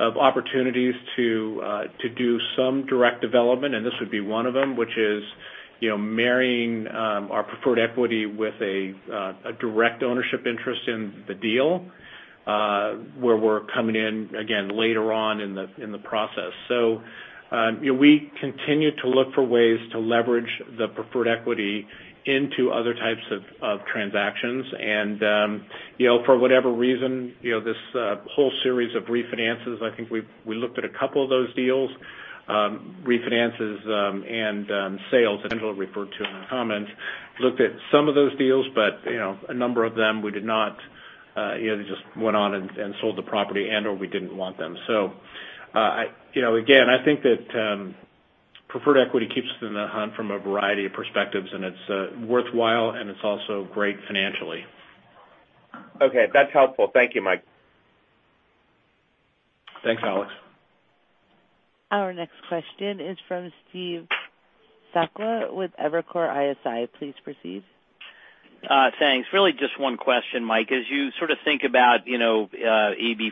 of opportunities to do some direct development, and this would be one of them, which is marrying our preferred equity with a direct ownership interest in the deal where we're coming in, again, later on in the process. We continue to look for ways to leverage the preferred equity into other types of transactions. For whatever reason, this whole series of refinances, I think we looked at a couple of those deals, refinances and sales Angela referred to in her comments. Looked at some of those deals, but a number of them we did not. They just went on and sold the property, and or we didn't want them. Again, I think that preferred equity keeps us in the hunt from a variety of perspectives, and it's worthwhile, and it's also great financially. Okay. That's helpful. Thank you, Mike. Thanks, Alex. Our next question is from Steve Sakwa with Evercore ISI. Please proceed. Thanks. Really just one question, Mike. As you sort of think about AB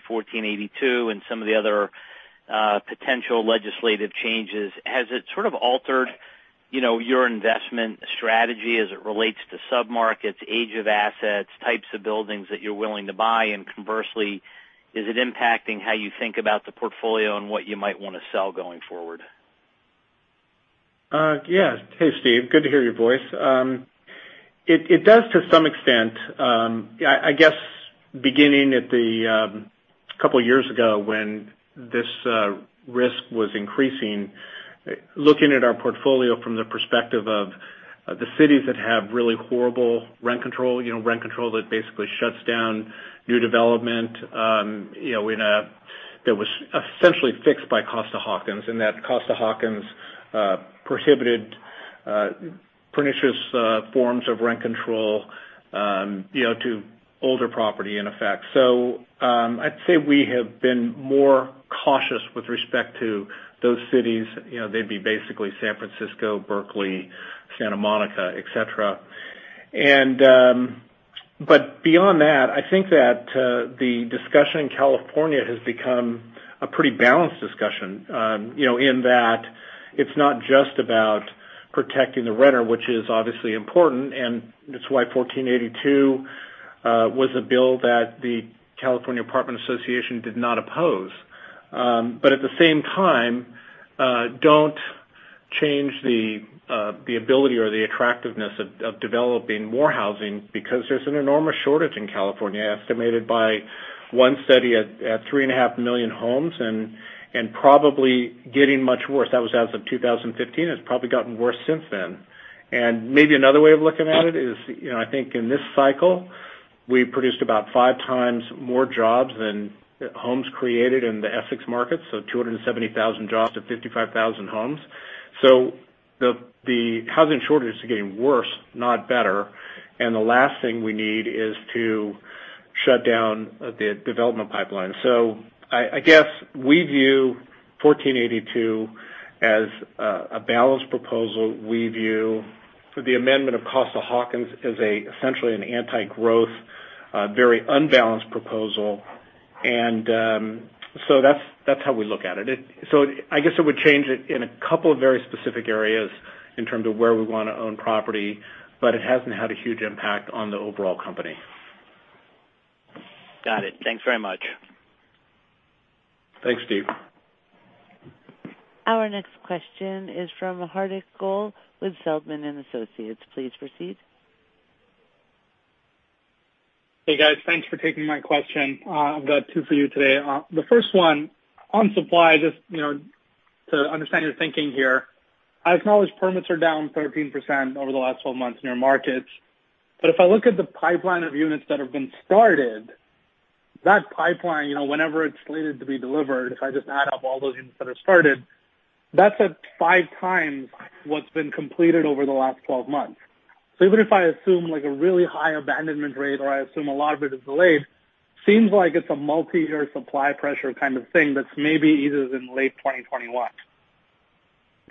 1482 and some of the other potential legislative changes, has it sort of altered your investment strategy as it relates to sub-markets, age of assets, types of buildings that you're willing to buy? Conversely, is it impacting how you think about the portfolio and what you might want to sell going forward? Yeah. Hey, Steve. Good to hear your voice. It does to some extent. I guess, beginning at the couple of years ago when this risk was increasing, looking at our portfolio from the perspective of the cities that have really horrible rent control, rent control that basically shuts down new development that was essentially fixed by Costa-Hawkins. That Costa-Hawkins prohibited pernicious forms of rent control to older property, in effect. I'd say we have been more cautious with respect to those cities. They'd be basically San Francisco, Berkeley, Santa Monica, et cetera. Beyond that, I think that the discussion in California has become a pretty balanced discussion, in that it's not just about protecting the renter, which is obviously important, and it's why 1482 was a bill that the California Apartment Association did not oppose. At the same time, don't change the ability or the attractiveness of developing more housing because there's an enormous shortage in California, estimated by one study at three and a half million homes, and probably getting much worse. That was as of 2015. It's probably gotten worse since then. Maybe another way of looking at it is, I think in this cycle, we produced about five times more jobs than homes created in the Essex markets, so 270,000 jobs to 55,000 homes. The housing shortage is getting worse, not better. The last thing we need is to shut down the development pipeline. I guess we view 1482 as a balanced proposal. We view the amendment of Costa-Hawkins as essentially an anti-growth, very unbalanced proposal. That's how we look at it. I guess it would change it in a couple of very specific areas in terms of where we want to own property, but it hasn't had a huge impact on the overall company. Got it. Thanks very much. Thanks, Steve. Our next question is from Hardik Goel with Zelman & Associates. Please proceed. Hey, guys. Thanks for taking my question. I've got two for you today. The first one, on supply, just to understand your thinking here. I acknowledge permits are down 13% over the last 12 months in your markets. If I look at the pipeline of units that have been started, that pipeline, whenever it's slated to be delivered, if I just add up all those units that are started, that's at five times what's been completed over the last 12 months. Even if I assume like a really high abandonment rate or I assume a lot of it is delayed, seems like it's a multi-year supply pressure kind of thing that's maybe eases in late 2021.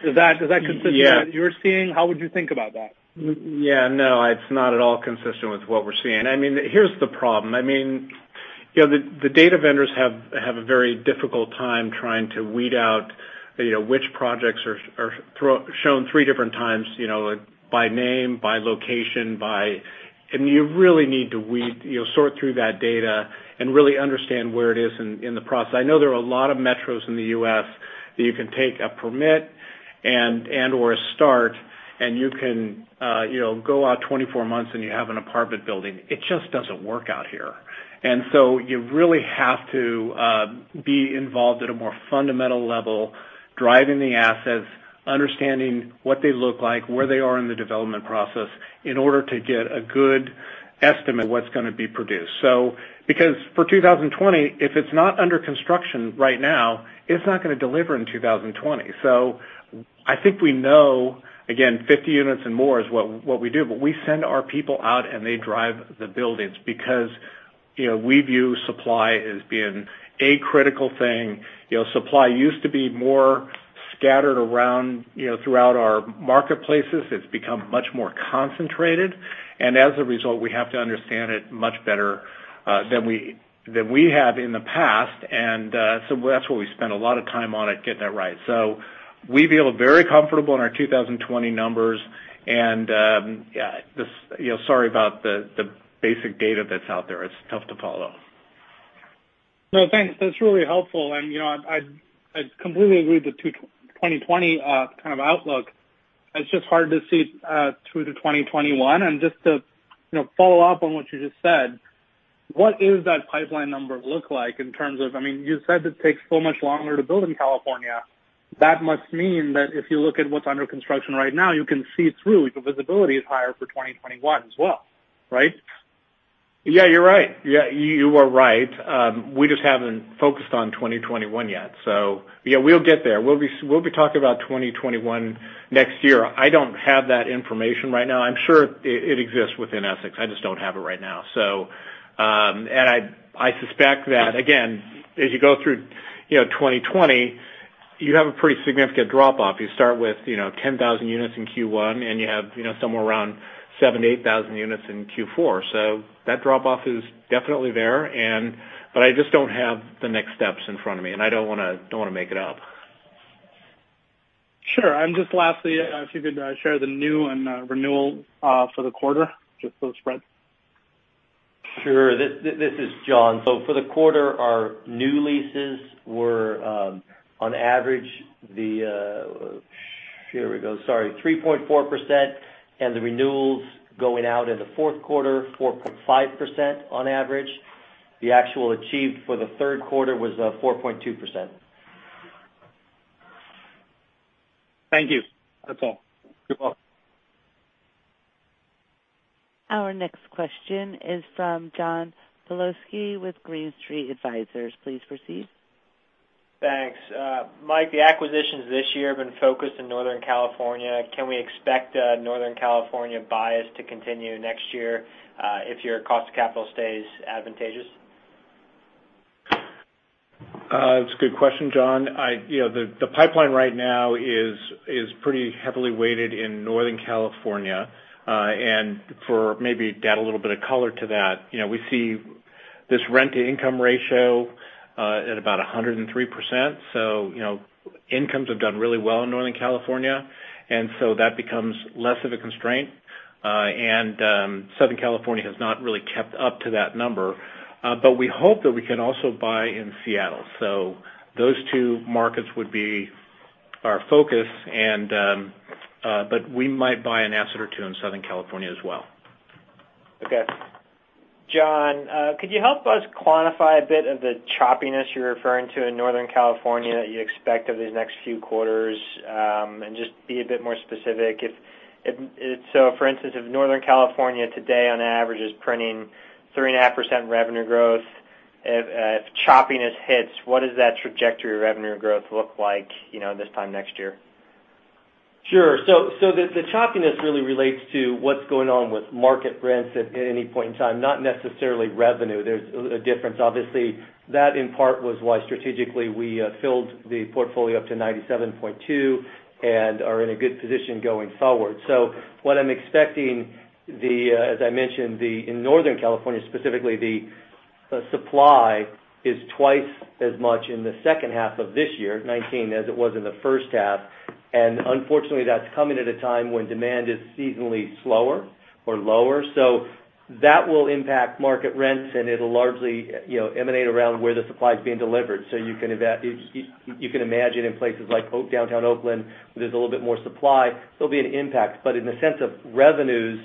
Does that consist of what you're seeing? How would you think about that? Yeah, no, it's not at all consistent with what we're seeing. Here's the problem. The data vendors have a very difficult time trying to weed out which projects are shown three different times, by name, by location. You really need to sort through that data and really understand where it is in the process. I know there are a lot of metros in the U.S. that you can take a permit and/or a start and you can go out 24 months and you have an apartment building. It just doesn't work out here. You really have to be involved at a more fundamental level, driving the assets, understanding what they look like, where they are in the development process in order to get a good estimate of what's going to be produced. For 2020, if it's not under construction right now, it's not going to deliver in 2020. I think we know, again, 50 units and more is what we do. We send our people out and they drive the buildings because we view supply as being a critical thing. Supply used to be more scattered around throughout our marketplaces. It's become much more concentrated. As a result, we have to understand it much better than we have in the past. That's why we spend a lot of time on it, getting it right. We feel very comfortable in our 2020 numbers, and sorry about the basic data that's out there. It's tough to follow. No, thanks. That's really helpful. I completely agree with the 2020 kind of outlook. It's just hard to see through to 2021. Just to follow up on what you just said, what is that pipeline number look like in terms of-- You said it takes so much longer to build in California. That must mean that if you look at what's under construction right now, you can see through, your visibility is higher for 2021 as well. Right? You're right. You are right. We just haven't focused on 2021 yet. We'll get there. We'll be talking about 2021 next year. I don't have that information right now. I'm sure it exists within Essex, I just don't have it right now. I suspect that again, as you go through 2020, you have a pretty significant drop-off. You start with 10,000 units in Q1, and you have somewhere around 7,000 to 8,000 units in Q4. That drop-off is definitely there. I just don't have the next steps in front of me, and I don't want to make it up. Sure. Just lastly, if you could share the new and renewal for the quarter, just those spreads. Sure. This is John. For the quarter, our new leases were, on average, here we go. Sorry, 3.4%, and the renewals going out in the fourth quarter, 4.5% on average. The actual achieved for the third quarter was 4.2%. Thank you. That's all. You're welcome. Our next question is from John Pawlowski with Green Street Advisors. Please proceed. Thanks. Mike, the acquisitions this year have been focused in Northern California. Can we expect a Northern California bias to continue next year if your cost of capital stays advantageous? That's a good question, John. The pipeline right now is pretty heavily weighted in Northern California. To maybe add a little bit of color to that, we see this rent-to-income ratio at about 103%. Incomes have done really well in Northern California, and so that becomes less of a constraint. We hope that we can also buy in Seattle. Those two markets would be our focus. We might buy an asset or two in Southern California as well. Okay. John, could you help us quantify a bit of the choppiness you're referring to in Northern California that you expect over these next few quarters? Just be a bit more specific. For instance, if Northern California today, on average, is printing 3.5% revenue growth, if choppiness hits, what does that trajectory of revenue growth look like this time next year? Sure. The choppiness really relates to what's going on with market rents at any point in time, not necessarily revenue. There's a difference, obviously. That, in part, was why strategically we filled the portfolio up to 97.2 and are in a good position going forward. What I'm expecting, as I mentioned, in Northern California specifically, the supply is twice as much in the second half of this year, 2019, as it was in the first half. Unfortunately, that's coming at a time when demand is seasonally slower or lower. That will impact market rents, and it'll largely emanate around where the supply's being delivered. You can imagine in places like downtown Oakland, where there's a little bit more supply, there'll be an impact. In the sense of revenues,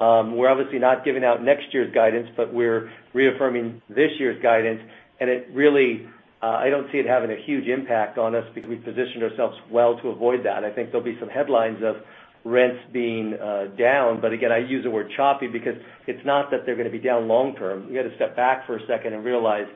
we're obviously not giving out next year's guidance, but we're reaffirming this year's guidance. Really, I don't see it having a huge impact on us because we positioned ourselves well to avoid that. I think there'll be some headlines of rents being down. Again, I use the word choppy because it's not that they're going to be down long-term. You've got to step back for a second and realize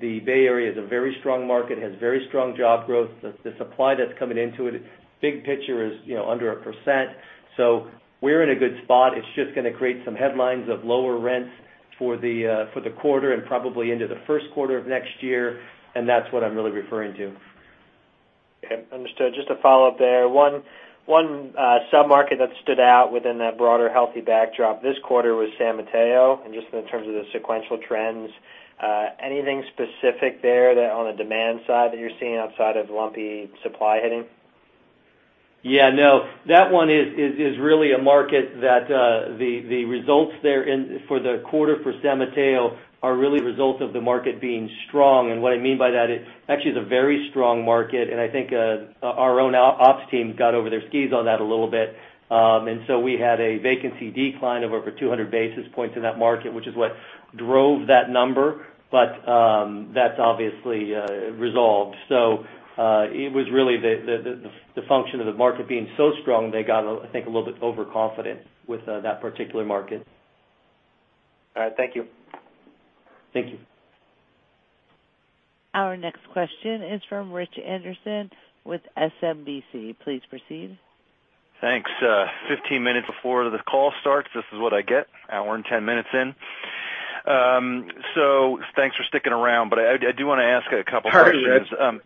the Bay Area is a very strong market, has very strong job growth. The supply that's coming into it, big picture, is under 1%. We're in a good spot. It's just going to create some headlines of lower rents for the quarter and probably into the first quarter of next year, and that's what I'm really referring to. Okay, understood. Just to follow up there, one sub-market that stood out within that broader healthy backdrop this quarter was San Mateo. Just in terms of the sequential trends, anything specific there on the demand side that you're seeing outside of lumpy supply hitting? Yeah, no. That one is really a market that the results there for the quarter for San Mateo are really a result of the market being strong. What I mean by that, it actually is a very strong market, and I think our own ops team got over their skis on that a little bit. We had a vacancy decline of over 200 basis points in that market, which is what drove that number. That's obviously resolved. It was really the function of the market being so strong, they got, I think, a little bit overconfident with that particular market. All right. Thank you. Thank you. Our next question is from Rich Anderson with SMBC. Please proceed. Thanks. 15 minutes before the call starts, this is what I get, hour and 10 minutes in. Thanks for sticking around, but I do want to ask a couple questions. Sorry, Rich.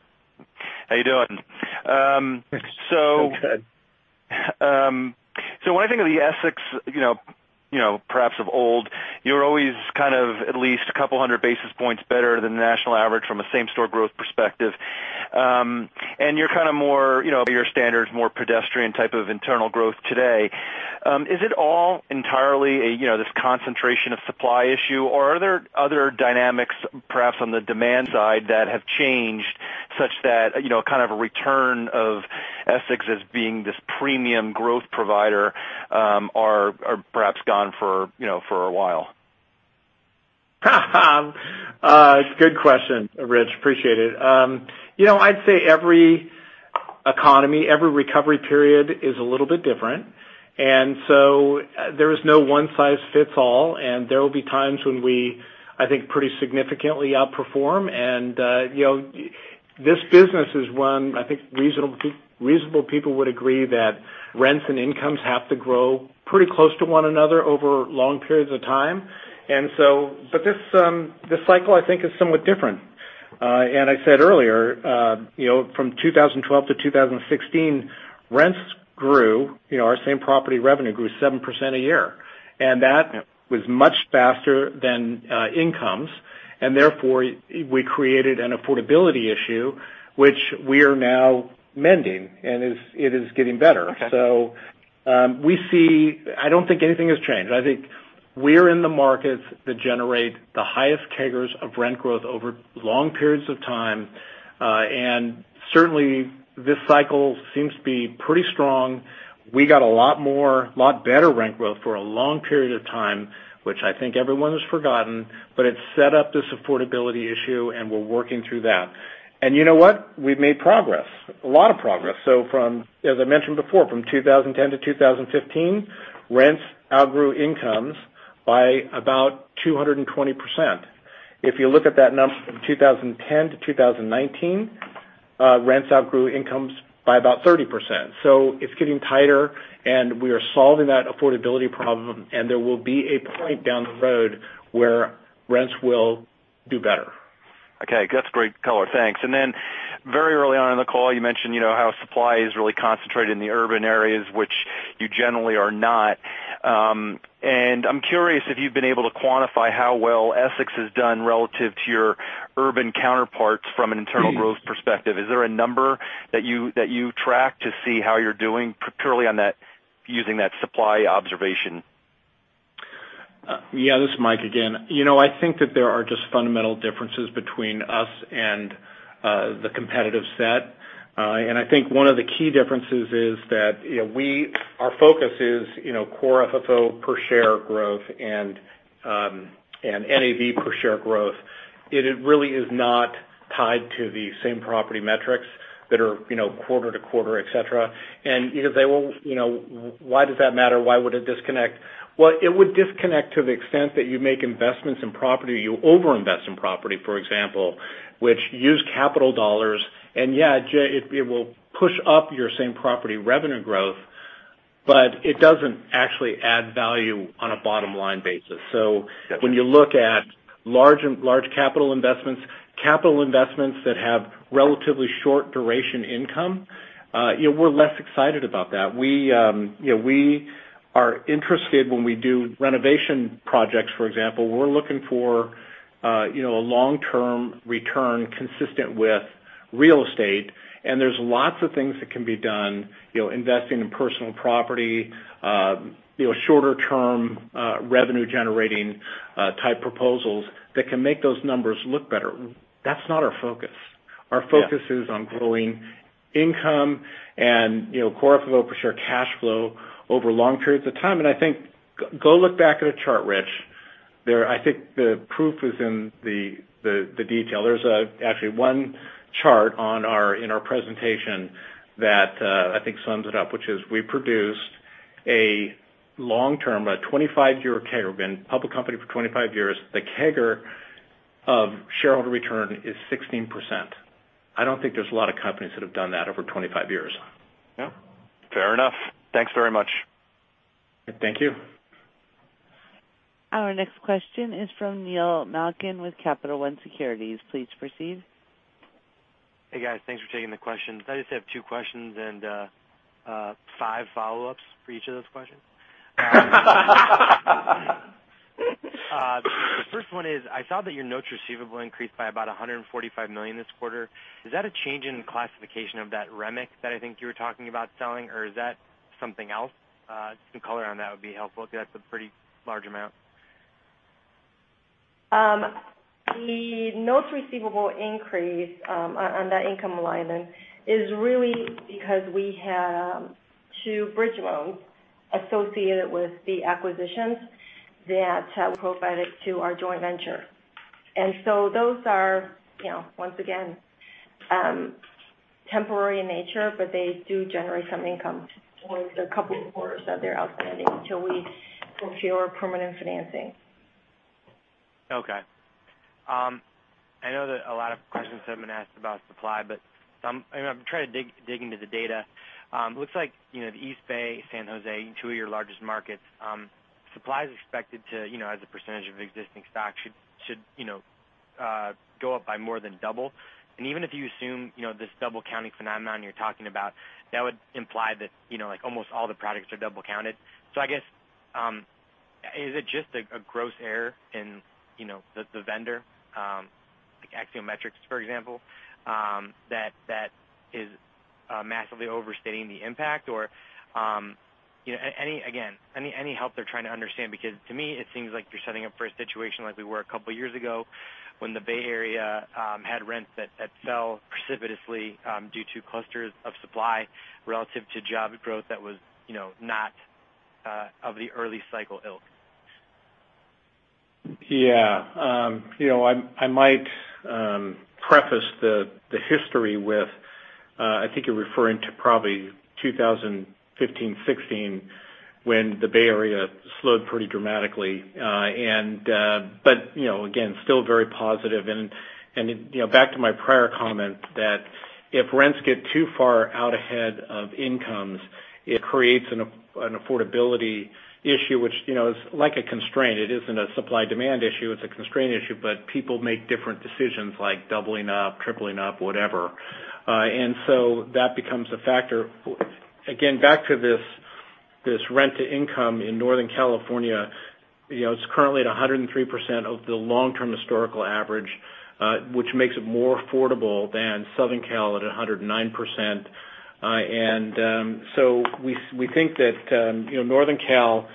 How you doing? Good. When I think of the Essex, perhaps of old, you were always kind of at least a couple of hundred basis points better than the national average from a same-store growth perspective. You're kind of more, by your standards, more pedestrian type of internal growth today. Is it all entirely this concentration of supply issue, or are there other dynamics, perhaps on the demand side, that have changed such that kind of a return of Essex as being this premium growth provider are perhaps gone for a while? It's a good question, Rich. Appreciate it. I'd say every Every recovery period is a little bit different. So there is no one size fits all, and there will be times when we, I think, pretty significantly outperform. This business is one, I think reasonable people would agree that rents and incomes have to grow pretty close to one another over long periods of time. This cycle, I think, is somewhat different. I said earlier, from 2012 to 2016, rents grew, our same property revenue grew 7% a year. That was much faster than incomes, and therefore, we created an affordability issue, which we are now mending, and it is getting better. Okay. I don't think anything has changed. I think we're in the markets that generate the highest CAGRs of rent growth over long periods of time. Certainly, this cycle seems to be pretty strong. We got a lot more, lot better rent growth for a long period of time, which I think everyone has forgotten, but it set up this affordability issue, and we're working through that. You know what? We've made progress, a lot of progress. From, as I mentioned before, from 2010 to 2015, rents outgrew incomes by about 220%. If you look at that number from 2010 to 2019, rents outgrew incomes by about 30%. It's getting tighter, and we are solving that affordability problem, and there will be a point down the road where rents will do better. Okay. That's great color. Thanks. Very early on in the call, you mentioned how supply is really concentrated in the urban areas, which you generally are not. I'm curious if you've been able to quantify how well Essex has done relative to your urban counterparts from an internal growth perspective. Is there a number that you track to see how you're doing purely on that, using that supply observation? Yeah, this is Mike again. I think that there are just fundamental differences between us and the competitive set. I think one of the key differences is that our focus is core FFO per share growth and NAV per share growth. It really is not tied to the same property metrics that are quarter to quarter, et cetera. Why does that matter? Why would it disconnect? Well, it would disconnect to the extent that you make investments in property, you over-invest in property, for example, which use capital dollars. Yeah, Jay, it will push up your same property revenue growth, but it doesn't actually add value on a bottom-line basis. Got it. When you look at large capital investments, capital investments that have relatively short-duration income, we're less excited about that. We are interested when we do renovation projects, for example, we're looking for a long-term return consistent with real estate, and there's lots of things that can be done, investing in personal property, shorter-term, revenue-generating type proposals that can make those numbers look better. That's not our focus. Yeah. Our focus is on growing income and core FFO per share cash flow over long periods of time. I think, go look back at a chart, Rich. I think the proof is in the detail. There's actually one chart in our presentation that I think sums it up, which is we produced a long-term, a 25-year CAGR. We've been a public company for 25 years. The CAGR of shareholder return is 16%. I don't think there's a lot of companies that have done that over 25 years. Yeah. Fair enough. Thanks very much. Thank you. Our next question is from Neil Malkin with Capital One Securities. Please proceed. Hey, guys. Thanks for taking the questions. I just have two questions and five follow-ups for each of those questions. The first one is, I saw that your notes receivable increased by about $145 million this quarter. Is that a change in classification of that REMIC that I think you were talking about selling, or is that something else? Just some color on that would be helpful because that's a pretty large amount. The notes receivable increase on that income line then is really because we have two bridge loans associated with the acquisitions that we provided to our joint venture. Those are, once again, temporary in nature, but they do generate some income for the couple of quarters that they're outstanding until we procure permanent financing. Okay. I know that a lot of questions have been asked about supply, but I'm trying to dig into the data. It looks like, the East Bay, San Jose, two of your largest markets, supply is expected to, as a percentage of existing stock should go up by more than double. Even if you assume this double counting phenomenon you're talking about, that would imply that almost all the products are double counted. I guess, is it just a gross error in the vendor, like Axiometrics, for example, that is massively overstating the impact? Again, any help there trying to understand, because to me, it seems like you're setting up for a situation like we were a couple of years ago when the Bay Area had rents that fell precipitously due to clusters of supply relative to job growth that was not of the early cycle ilk. Yeah. I might preface the history with, I think you're referring to probably 2015, 2016, when the Bay Area slowed pretty dramatically. Again, still very positive. Back to my prior comment that if rents get too far out ahead of incomes, it creates an affordability issue, which is like a constraint. It isn't a supply-demand issue, it's a constraint issue, but people make different decisions like doubling up, tripling up, whatever. That becomes a factor. Again, back to this rent-to-income in Northern California, it's currently at 103% of the long-term historical average, which makes it more affordable than Southern Cal at 109%. We think that Northern Cal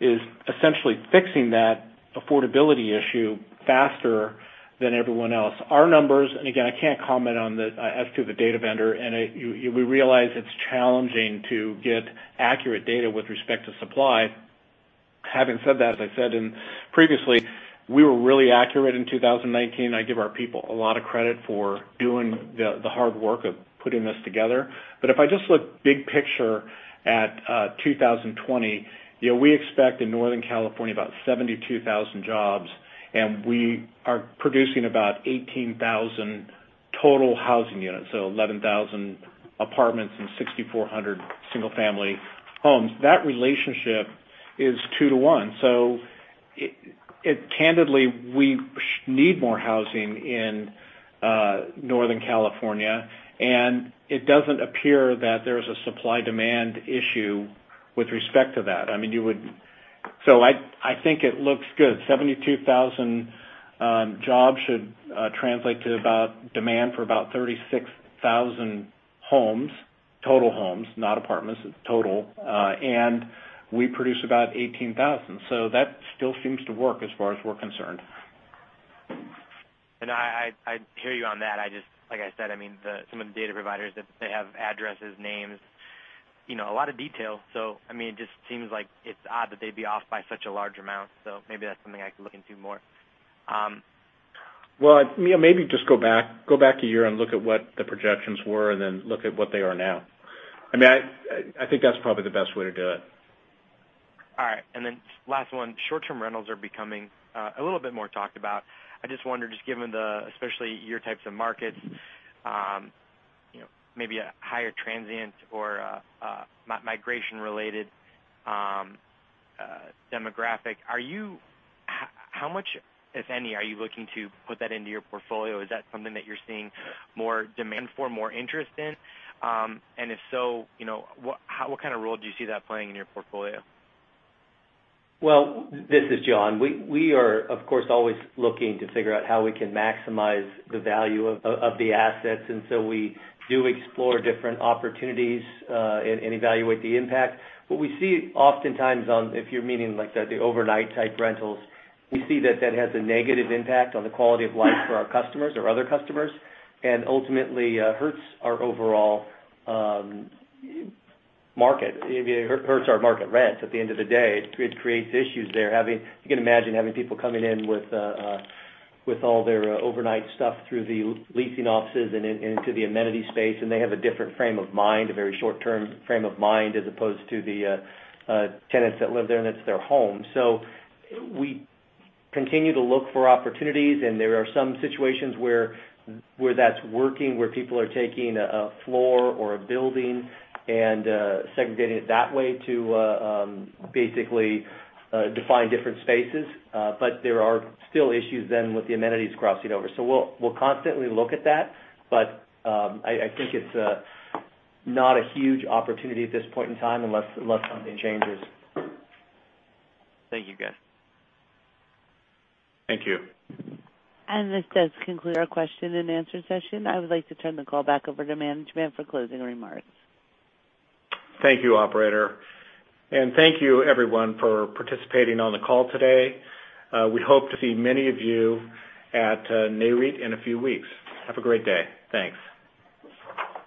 is essentially fixing that affordability issue faster than everyone else. Our numbers, and again, I can't comment as to the data vendor, and we realize it's challenging to get accurate data with respect to supply. Having said that, as I said previously, we were really accurate in 2019. I give our people a lot of credit for doing the hard work of putting this together. If I just look big picture at 2020, we expect in Northern California about 72,000 jobs, and we are producing about 18,000 total housing units. 11,000 apartments and 6,400 single-family homes. That relationship is 2 to 1. Candidly, we need more housing in Northern California, and it doesn't appear that there's a supply-demand issue with respect to that. I think it looks good. 72,000 jobs should translate to about demand for about 36,000 homes, total homes, not apartments, total. We produce about 18,000. That still seems to work as far as we're concerned. I hear you on that. Like I said, some of the data providers, they have addresses, names, a lot of detail. It just seems like it's odd that they'd be off by such a large amount. Maybe that's something I can look into more. Well, maybe just go back a year and look at what the projections were, and then look at what they are now. I think that's probably the best way to do it. All right. Last one. Short-term rentals are becoming a little bit more talked about. I just wonder, just given the, especially your types of markets, maybe a higher transient or migration-related demographic, how much, if any, are you looking to put that into your portfolio? Is that something that you're seeing more demand for, more interest in? If so, what kind of role do you see that playing in your portfolio? Well, this is John. We are, of course, always looking to figure out how we can maximize the value of the assets. We do explore different opportunities and evaluate the impact. What we see oftentimes on, if you're meaning like the overnight-type rentals, we see that that has a negative impact on the quality of life for our customers, our other customers, and ultimately hurts our overall market. It hurts our market rents at the end of the day. It creates issues there. You can imagine having people coming in with all their overnight stuff through the leasing offices and into the amenity space, and they have a different frame of mind, a very short-term frame of mind, as opposed to the tenants that live there, and it's their home. We continue to look for opportunities, and there are some situations where that's working, where people are taking a floor or a building and segregating it that way to basically define different spaces. There are still issues then with the amenities crossing over. We'll constantly look at that. I think it's not a huge opportunity at this point in time unless something changes. Thank you, guys. Thank you. This does conclude our question and answer session. I would like to turn the call back over to management for closing remarks. Thank you, operator. Thank you everyone for participating on the call today. We hope to see many of you at Nareit in a few weeks. Have a great day. Thanks.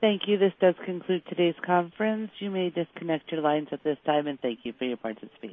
Thank you. This does conclude today's conference. You may disconnect your lines at this time, and thank you for your participation.